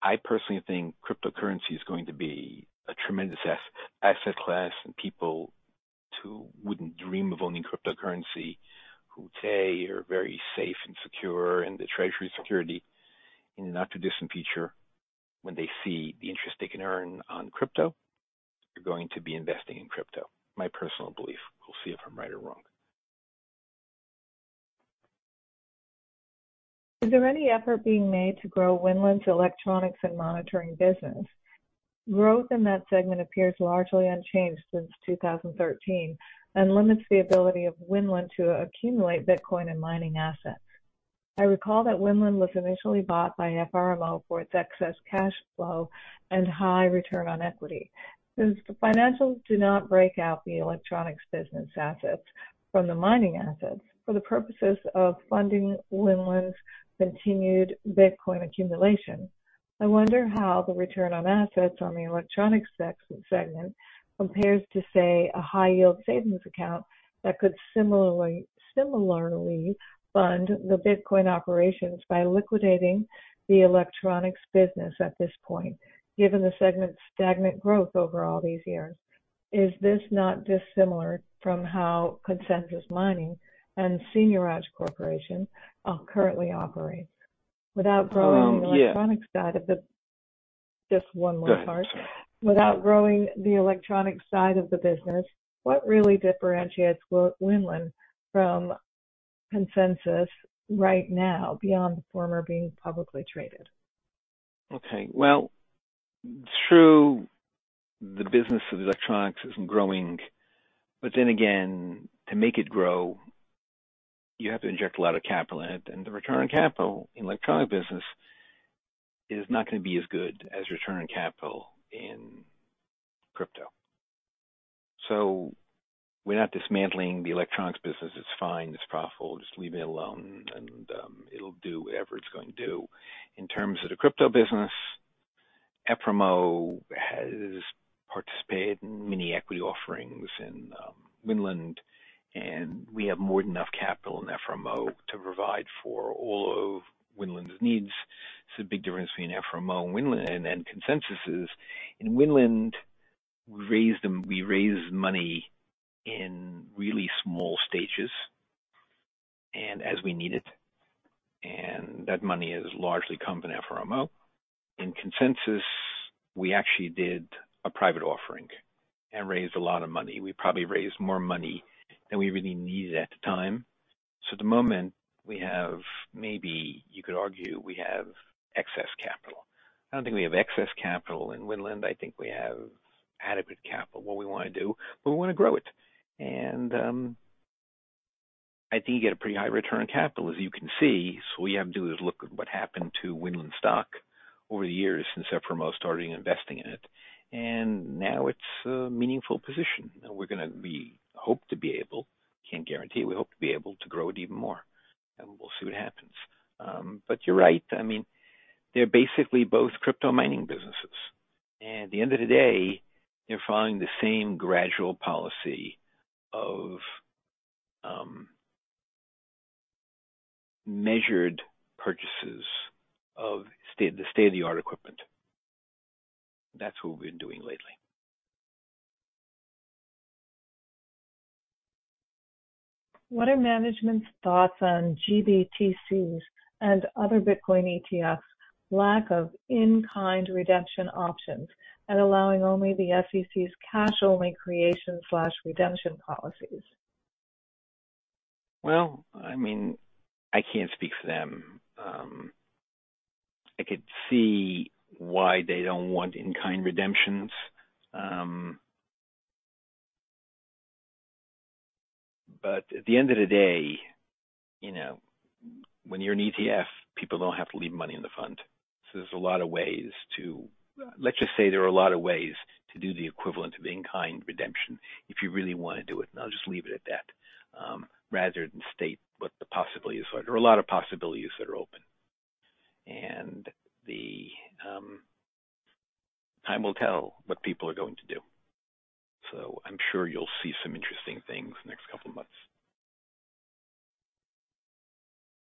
I personally think cryptocurrency is going to be a tremendous asset class, and people who wouldn't dream of owning cryptocurrency, who today are very safe and secure in the treasury security, in the not-too-distant future, when they see the interest they can earn on crypto, they're going to be investing in crypto. My personal belief. We'll see if I'm right or wrong. Is there any effort being made to grow Winland's electronics and monitoring business? Growth in that segment appears largely unchanged since 2013, and limits the ability of Winland to accumulate Bitcoin and mining assets. I recall that Winland was initially bought by FRMO for its excess cash flow and high return on equity. Since the financials do not break out the electronics business assets from the mining assets for the purposes of funding Winland's continued Bitcoin accumulation, I wonder how the return on assets on the electronics segment compares to, say, a high yield savings account that could similarly fund the Bitcoin operations by liquidating the electronics business at this point, given the segment's stagnant growth over all these years. Is this not dissimilar from how Consensus Mining and Seigniorage Corporation currently operates? Without growing [CROSSTALK] just one more part. Without growing the electronic side of the business, what really differentiates Winland from Consensus right now, beyond the former being publicly traded? Okay, well, the business of electronics isn't growing. But then again, to make it grow, you have to inject a lot of capital in it, and the return on capital in electronic business is not going to be as good as return on capital in crypto. So we're not dismantling the electronics business. It's fine, it's profitable. Just leave it alone, and it'll do whatever it's going to do. In terms of the crypto business, FRMO has participated in many equity offerings in Winland, and we have more than enough capital in FRMO to provide for all of Winland's needs. It's a big difference between FRMO and Winland and Consensus is, in Winland, we raised money in really small stages and as we need it, and that money has largely come from FRMO. In Consensus, we actually did a private offering and raised a lot of money. We probably raised more money than we really needed at the time. So at the moment, we have, maybe you could argue, we have excess capital. I don't think we have excess capital in Winland. I think we have adequate capital. What we want to do, but we want to grow it. And, I think you get a pretty high return on capital, as you can see. So all you have to do is look at what happened to Winland stock over the years since FRMO started investing in it, and now it's a meaningful position. And we're gonna be... hope to be able, can't guarantee, we hope to be able to grow it even more, and we'll see what happens. But you're right. I mean, they're basically both crypto mining businesses, and at the end of the day, they're following the same gradual policy of measured purchases of state-of-the-art equipment. That's what we've been doing lately. What are management's thoughts on GBTCs and other Bitcoin ETFs lack of in-kind redemption options and allowing only the SEC's cash-only creation/redemption policies? Well, I mean, I can't speak for them. I could see why they don't want in-kind redemptions. But at the end of the day, you know, when you're an ETF, people don't have to leave money in the fund. So there's a lot of ways to... Let's just say there are a lot of ways to do the equivalent of in-kind redemption if you really want to do it. And I'll just leave it at that, rather than state what the possibilities are. There are a lot of possibilities that are open, and the time will tell what people are going to do. So I'm sure you'll see some interesting things in the next couple of months.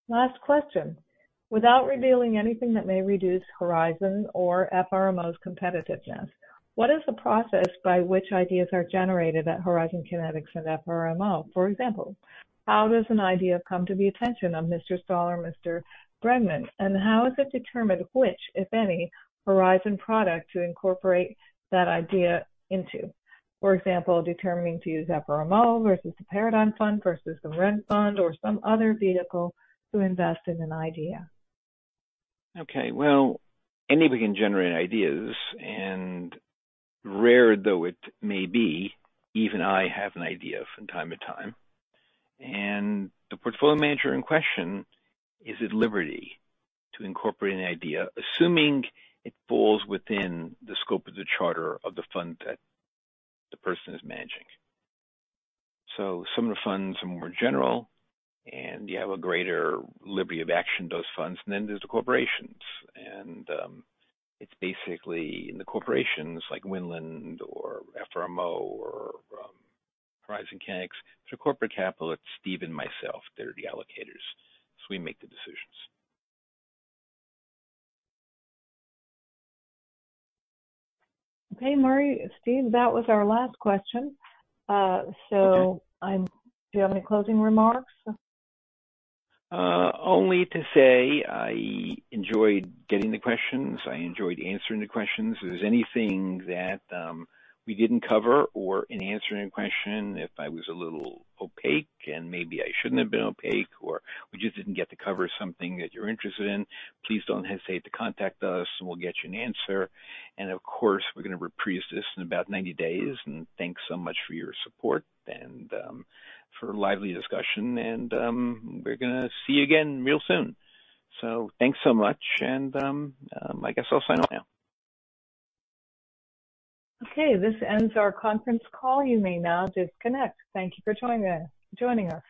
Last question. Without revealing anything that may reduce Horizon or FRMO's competitiveness, what is the process by which ideas are generated at Horizon Kinetics and FRMO? For example, how does an idea come to the attention of Mr. Stahl or Mr. Bregman, and how is it determined which, if any, Horizon product to incorporate that idea into? For example, determining to use FRMO versus the Paradigm Fund versus the RENN Fund or some other vehicle to invest in an idea. Okay, well, anybody can generate ideas, and rare though it may be, even I have an idea from time to time, and the portfolio manager in question is at liberty to incorporate an idea, assuming it falls within the scope of the charter of the fund that the person is managing. So some of the funds are more general, and you have a greater liberty of action, those funds. And then there's the corporations, and, it's basically in the corporations like Winland or FRMO or, Horizon Kinetics. So corporate capital, it's Steve and myself that are the allocators, so we make the decisions. Okay, Murray, Steve, that was our last question. Do you have any closing remarks? Only to say I enjoyed getting the questions. I enjoyed answering the questions. If there's anything that we didn't cover or in answering a question, if I was a little opaque and maybe I shouldn't have been opaque, or we just didn't get to cover something that you're interested in, please don't hesitate to contact us, and we'll get you an answer. Of course, we're going to reprise this in about 90 days. Thanks so much for your support and for a lively discussion. We're gonna see you again real soon. So thanks so much, and I guess I'll sign off now. Okay. This ends our conference call. You may now disconnect. Thank you for joining us.